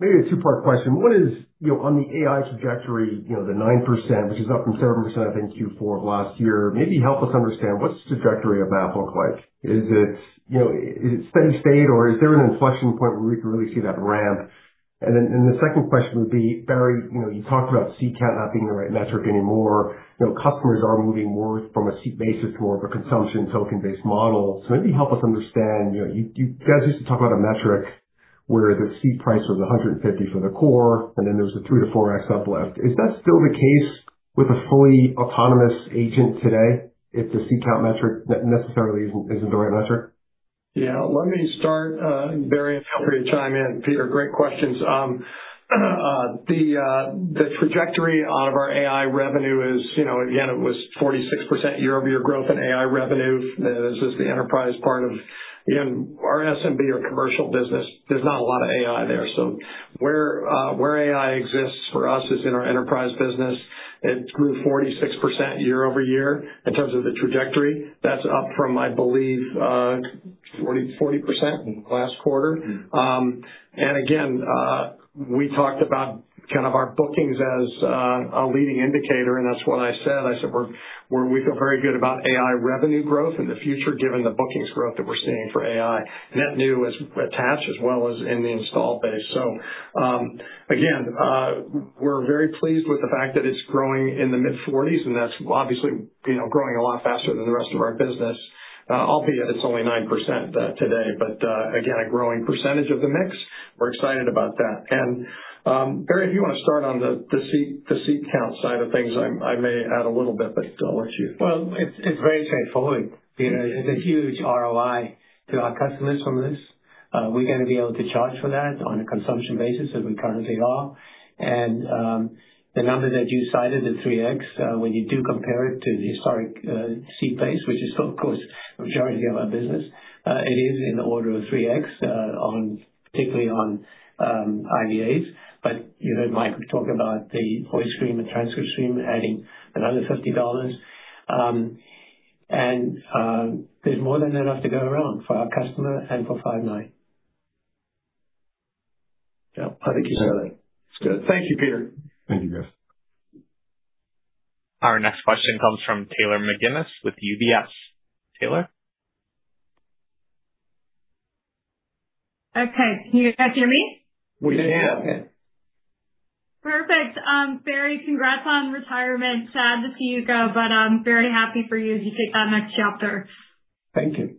Maybe a two-part question. What is on the AI trajectory, the 9%, which is up from 7%, I think, Q4 of last year? Maybe help us understand what's the trajectory of that look like? Is it steady state, or is there an inflection point where we can really see that ramp? And then the second question would be, Barry, you talked about seat count not being the right metric anymore. Customers are moving more from a seat basis to more of a consumption token-based model. So maybe help us understand. You guys used to talk about a metric where the seat price was $150 for the core, and then there was a three to 4x uplift. Is that still the case with a fully autonomous agent today if the seat count metric necessarily isn't the right metric? Yeah. Let me start, Barry, and feel free to chime in. Peter, great questions. The trajectory of our AI revenue is, again, it was 46% year-over-year growth in AI revenue. This is the enterprise part of, again, our SMB or commercial business. There's not a lot of AI there. So where AI exists for us is in our enterprise business. It grew 46% year-over-year in terms of the trajectory. That's up from, I believe, 40% in the last quarter. And again, we talked about kind of our bookings as a leading indicator, and that's what I said. I said we feel very good about AI revenue growth in the future, given the bookings growth that we're seeing for AI, net new and attached as well as in the install base. So again, we're very pleased with the fact that it's growing in the mid-40s, and that's obviously growing a lot faster than the rest of our business, albeit it's only 9% today. Again, a growing percentage of the mix. We're excited about that. Barry, if you want to start on the seat count side of things, I may add a little bit, but I'll let you. It's very straightforward. It's a huge ROI to our customers from this. We're going to be able to charge for that on a consumption basis, as we currently are. The number that you cited, the 3X, when you do compare it to the historic seat base, which is still, of course, the majority of our business, it is in the order of 3X, particularly on IVAs. You heard Mike talk about the VoiceStream and TranscriptStream adding another $50. There's more than enough to go around for our customer and for Five9. Yeah, I think you said it. It's good. Thank you, Peter. Thank you, guys. Our next question comes from Taylor McGinnis with UBS. Taylor? Okay. Can you guys hear me? We can. Perfect. Barry, congrats on retirement. Sad to see you go, but very happy for you as you take that next chapter. Thank you.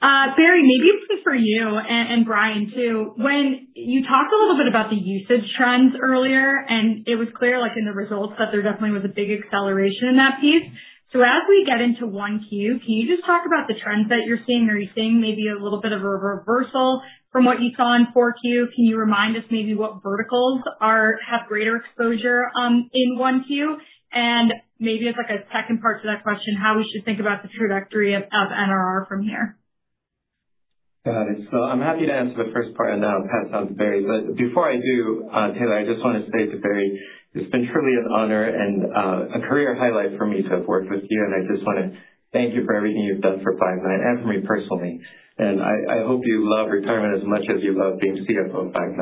Barry, maybe for you and Brian too, when you talked a little bit about the usage trends earlier, and it was clear in the results that there definitely was a big acceleration in that piece. So as we get into 1Q, can you just talk about the trends that you're seeing? Are you seeing maybe a little bit of a reversal from what you saw in 4Q? Can you remind us maybe what verticals have greater exposure in 1Q? And maybe as a second part to that question, how we should think about the trajectory of NRR from here. Got it. I'm happy to answer the first part, and then I'll pass on to Barry. But before I do, Taylor, I just want to say to Barry, it's been truly an honor and a career highlight for me to have worked with you. And I just want to thank you for everything you've done for Five9 and for me personally. And I hope you love retirement as much as you love being CFO of Five9.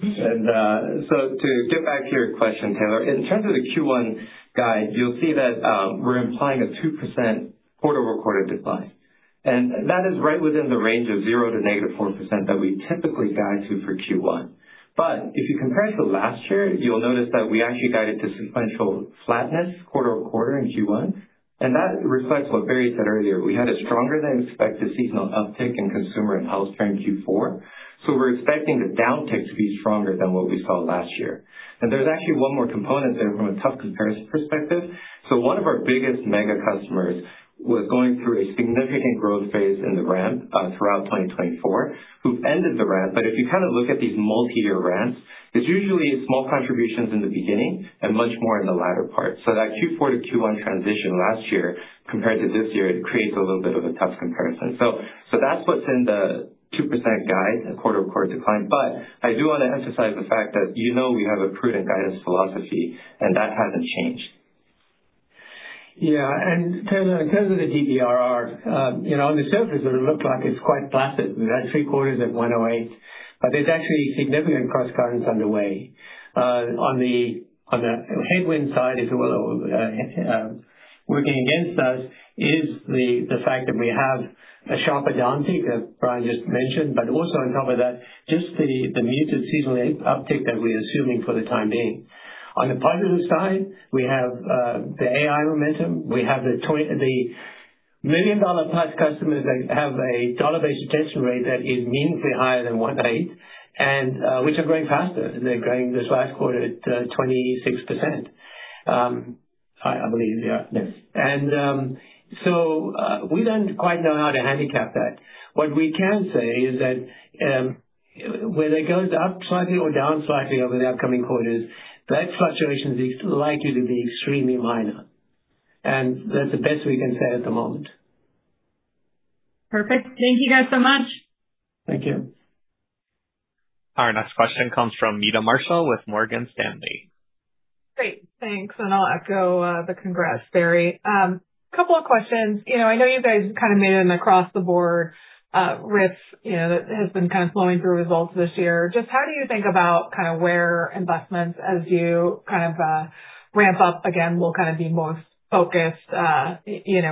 And to get back to your question, Taylor, in terms of the Q1 guide, you'll see that we're implying a 2% quarter-over-quarter decline. And that is right within the range of 0% to -4% that we typically guide to for Q1. But if you compare it to last year, you'll notice that we actually guided to sequential flatness quarter-over-quarter in Q1. And that reflects what Barry said earlier. We had a stronger-than-expected seasonal uptick in consumer and health during Q4. So we're expecting the downtick to be stronger than what we saw last year. And there's actually one more component there from a tough comparison perspective. So one of our biggest mega customers was going through a significant growth phase in the ramp throughout 2024, who ended the ramp. But if you kind of look at these multi-year ramps, there's usually small contributions in the beginning and much more in the latter part. So that Q4 to Q1 transition last year compared to this year, it creates a little bit of a tough comparison. So that's what's in the 2% guide, a quarter-over-quarter decline. But I do want to emphasize the fact that we have a prudent guidance philosophy, and that hasn't changed. Yeah. Taylor, in terms of the DBRR, on the surface, it would look like it's quite placid. We've had three quarters at 108%, but there's actually significant cross-currents underway. On the headwind side, if you will, working against us is the fact that we have a sharper downtick that Brian just mentioned, but also on top of that, just the muted seasonal uptick that we're assuming for the time being. On the positive side, we have the AI momentum. We have the million-plus customers that have a dollar-based retention rate that is meaningfully higher than 108%, which are growing faster. They're growing this last quarter at 26%, I believe. Yeah. And so we don't quite know how to handicap that. What we can say is that when it goes up slightly or down slightly over the upcoming quarters, that fluctuation is likely to be extremely minor. And that's the best we can say at the moment. Perfect. Thank you guys so much. Thank you. Our next question comes from Meta Marshall with Morgan Stanley. Great. Thanks. And I'll echo the congrats, Barry. A couple of questions. I know you guys kind of made it across the board risk that has been kind of flowing through results this year. Just how do you think about kind of where investments, as you kind of ramp up again, will kind of be most focused,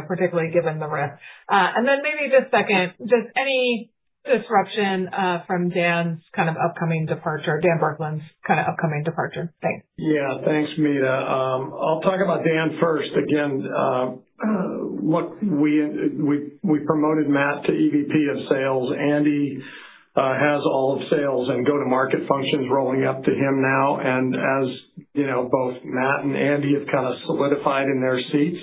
particularly given the risk? And then maybe just second, just any disruption from Dan's kind of upcoming departure, Dan Berkman's kind of upcoming departure? Thanks. Yeah. Thanks, Meta. I'll talk about Dan first. Again, we promoted Matt to EVP of sales. Andy has all of sales and go-to-market functions rolling up to him now. As both Matt and Andy have kind of solidified in their seats,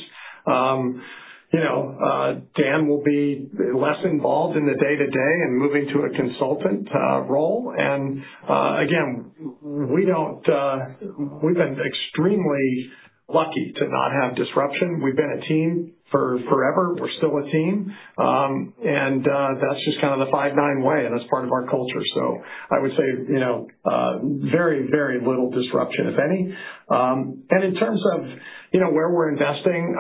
Dan will be less involved in the day-to-day and moving to a consultant role. Again, we've been extremely lucky to not have disruption. We've been a team for forever. We're still a team. That's just kind of the Five9 way, and that's part of our culture. I would say very, very little disruption, if any. In terms of where we're investing,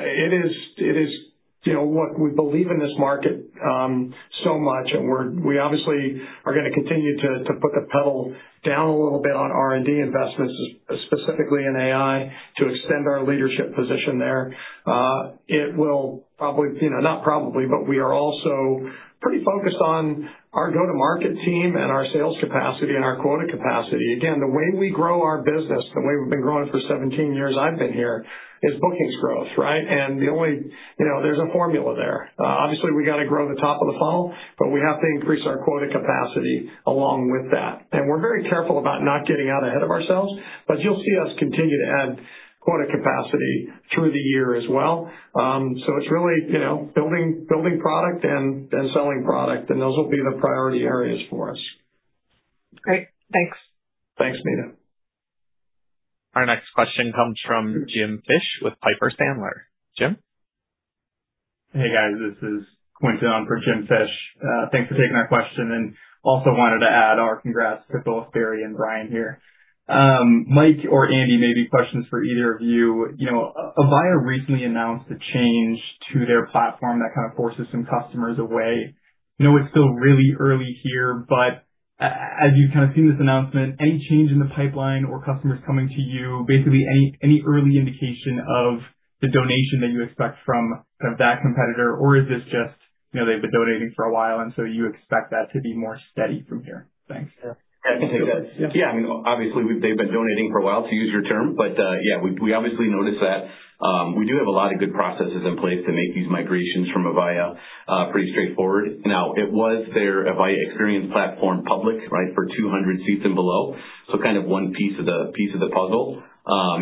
it is what we believe in this market so much. We obviously are going to continue to put the pedal down a little bit on R&D investments, specifically in AI, to extend our leadership position there. It will probably not, but we are also pretty focused on our go-to-market team and our sales capacity and our quota capacity. Again, the way we grow our business, the way we've been growing for 17 years I've been here, is bookings growth, right? And there's a formula there. Obviously, we got to grow the top of the funnel, but we have to increase our quota capacity along with that. And we're very careful about not getting out ahead of ourselves, but you'll see us continue to add quota capacity through the year as well. So it's really building product and selling product, and those will be the priority areas for us. Great. Thanks. Thanks, Meta. Our next question comes from Jim Fish with Piper Sandler. Jim? Hey, guys. This is Quinton for Jim Fish. Thanks for taking our question. And also wanted to add our congrats to both Barry and Brian here. Mike or Andy, maybe questions for either of you. Avaya recently announced a change to their platform that kind of forces some customers away. It's still really early here, but as you've kind of seen this announcement, any change in the pipeline or customers coming to you, basically any early indication of the donation that you expect from kind of that competitor, or is this just they've been donating for a while, and so you expect that to be more steady from here? Thanks. Yeah. Yeah. I mean, obviously, they've been donating for a while, to use your term. But yeah, we obviously notice that we do have a lot of good processes in place to make these migrations from Avaya pretty straightforward. Now, it was their Avaya Experience Platform public, right, for 200 seats and below. So kind of one piece of the puzzle.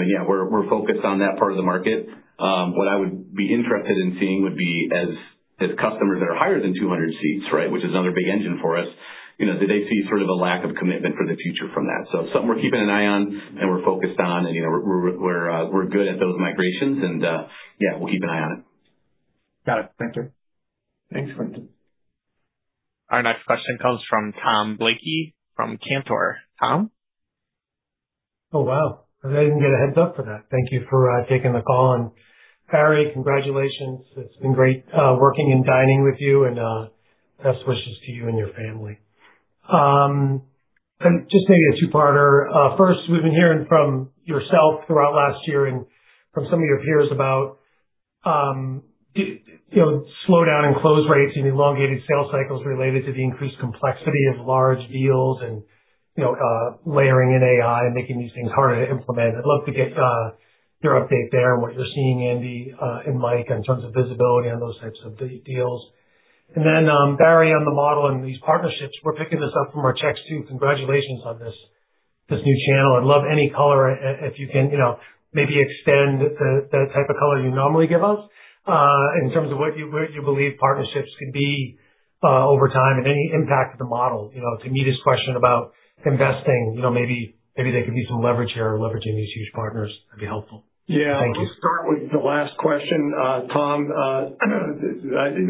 Yeah, we're focused on that part of the market. What I would be interested in seeing would be as customers that are higher than 200 seats, right, which is another big engine for us, did they see sort of a lack of commitment for the future from that? So something we're keeping an eye on and we're focused on, and we're good at those migrations. And yeah, we'll keep an eye on it. Got it. Thank you. Thanks, Quinton. Our next question comes from Tom Blakey from Cantor. Tom? Oh, wow. I didn't get a heads-up for that. Thank you for taking the call. And Barry, congratulations. It's been great working and dining with you, and best wishes to you and your family. And just maybe a two-parter. First, we've been hearing from yourself throughout last year and from some of your peers about slowdown in close rates and elongated sales cycles related to the increased complexity of large deals and layering in AI and making these things harder to implement. I'd love to get your update there and what you're seeing, Andy and Mike, in terms of visibility on those types of deals, and then Barry on the model and these partnerships. We're picking this up from our checks too. Congratulations on this new channel. I'd love any color, if you can maybe extend the type of color you normally give us in terms of what you believe partnerships could be over time and any impact of the model. To meet his question about investing, maybe there could be some leverage here or leveraging these huge partners. That'd be helpful. Yeah. I'll start with the last question, Tom.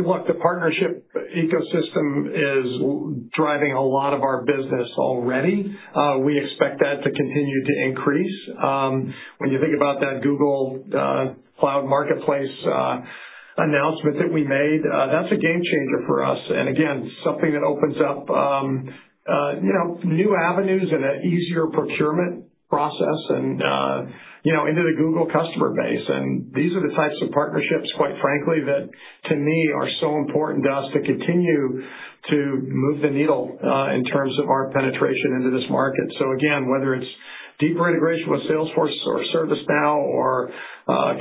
Look, the partnership ecosystem is driving a lot of our business already. We expect that to continue to increase. When you think about that Google Cloud Marketplace announcement that we made, that's a game changer for us. And again, something that opens up new avenues and an easier procurement process into the Google customer base. And these are the types of partnerships, quite frankly, that to me are so important to us to continue to move the needle in terms of our penetration into this market. So again, whether it's deeper integration with Salesforce or ServiceNow or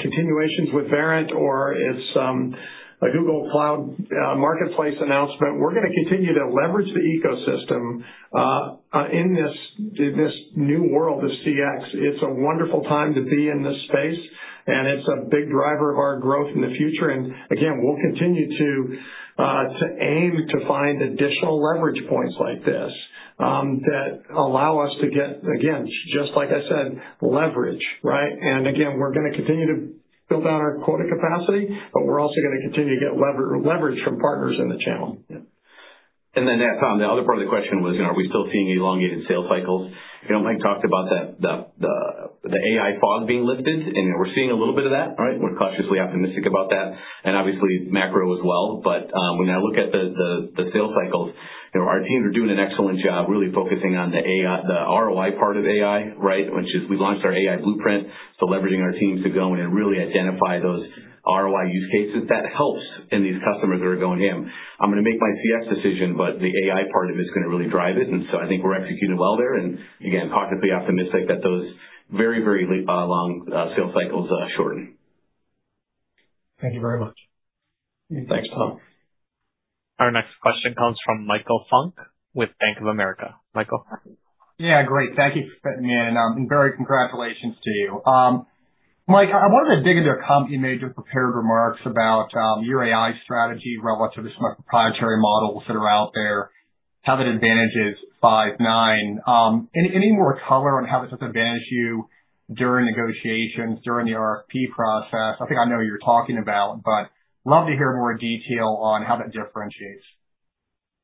continuations with Verint or it's a Google Cloud Marketplace announcement, we're going to continue to leverage the ecosystem in this new world of CX. It's a wonderful time to be in this space, and it's a big driver of our growth in the future. And again, we'll continue to aim to find additional leverage points like this that allow us to get, again, just like I said, leverage, right? And again, we're going to continue to build out our quota capacity, but we're also going to continue to get leverage from partners in the channel. Yeah. And then Tom, the other part of the question was, are we still seeing elongated sales cycles? Mike talked about the AI fog being lifted, and we're seeing a little bit of that, right? We're cautiously optimistic about that. And obviously, macro as well. But when I look at the sales cycles, our teams are doing an excellent job really focusing on the ROI part of AI, right? We launched our AI blueprint, so leveraging our teams to go in and really identify those ROI use cases. That helps in these customers that are going, "Hey, I'm going to make my CX decision, but the AI part of it is going to really drive it," and so I think we're executing well there, and again, cautiously optimistic that those very, very long sales cycles shorten. Thank you very much. Thanks, Tom. Our next question comes from Michael Funk with Bank of America. Michael. Yeah. Great. Thank you for fitting me in, and Barry, congratulations to you. Mike, I wanted to dig into a comment you made in the prepared remarks about your AI strategy relative to some of the proprietary models that are out there, how that advantages Five9. Any more color on how that does advantage you during negotiations, during the RFP process? I think I know you're talking about, but love to hear more detail on how that differentiates.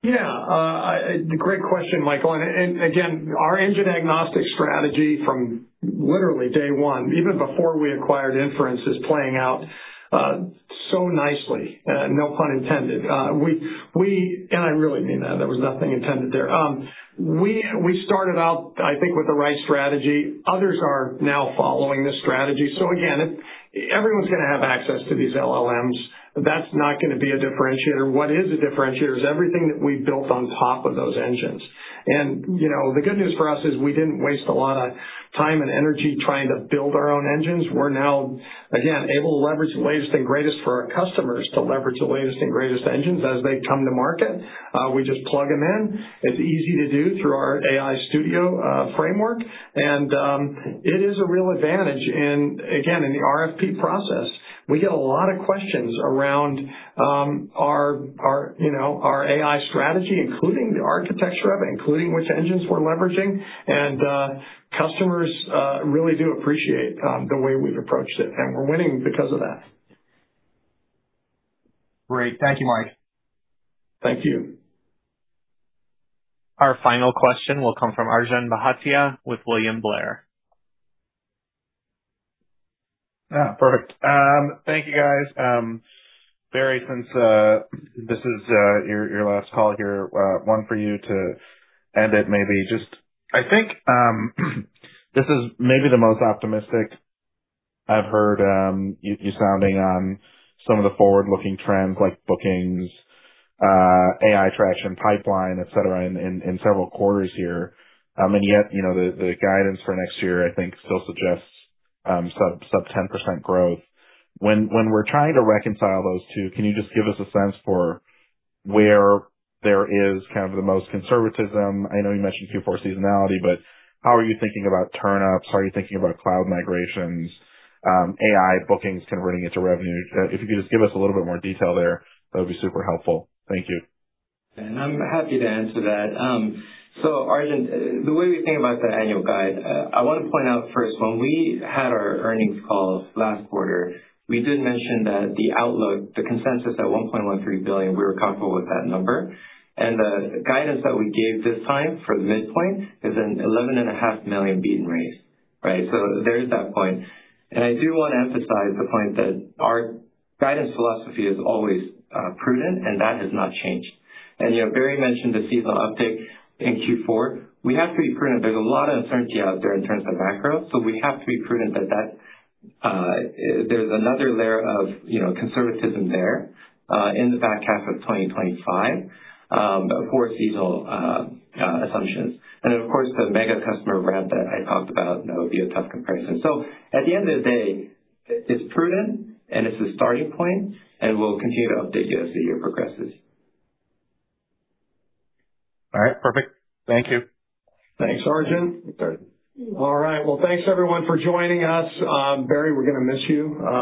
Yeah. It's a great question, Michael. Again, our engine agnostic strategy from literally day one, even before we acquired Inference, is playing out so nicely, no pun intended. I really mean that. There was nothing intended there. We started out, I think, with the right strategy. Others are now following this strategy. Again, everyone's going to have access to these LLMs. That's not going to be a differentiator. What is a differentiator is everything that we built on top of those engines. The good news for us is we didn't waste a lot of time and energy trying to build our own engines. We're now, again, able to leverage the latest and greatest for our customers to leverage the latest and greatest engines as they come to market. We just plug them in. It's easy to do through our AI studio framework. It is a real advantage. And again, in the RFP process, we get a lot of questions around our AI strategy, including the architecture of it, including which engines we're leveraging. Customers really do appreciate the way we've approached it. We're winning because of that. Great. Thank you, Mike. Thank you. Our final question will come from Arjun Bhatia with William Blair. Perfect. Thank you, guys. Barry, since this is your last call here, one for you to end it maybe. Just, I think this is maybe the most optimistic I've heard you sounding on some of the forward-looking trends like bookings, AI traction, pipeline, etc., in several quarters here. Yet, the guidance for next year, I think, still suggests sub 10% growth. When we're trying to reconcile those two, can you just give us a sense for where there is kind of the most conservatism? I know you mentioned Q4 seasonality, but how are you thinking about turnups? How are you thinking about cloud migrations, AI bookings converting into revenue? If you could just give us a little bit more detail there, that would be super helpful. Thank you. And I'm happy to answer that. So Arjun, the way we think about the annual guide, I want to point out first, when we had our earnings call last quarter, we did mention that the outlook, the consensus at $1.13 billion, we were comfortable with that number. And the guidance that we gave this time for the midpoint is an $11.5 million beat and raise, right? So there's that point. And I do want to emphasize the point that our guidance philosophy is always prudent, and that has not changed. And Barry mentioned the seasonal uptake in Q4. We have to be prudent. There's a lot of uncertainty out there in terms of macro. So we have to be prudent that there's another layer of conservatism there in the back half of 2025 for seasonal assumptions. And of course, the mega customer ramp that I talked about, that would be a tough comparison. So at the end of the day, it's prudent, and it's a starting point, and we'll continue to update you as the year progresses. All right. Perfect. Thank you. Thanks, Arjun. All right. Well, thanks, everyone, for joining us. Barry, we're going to miss you.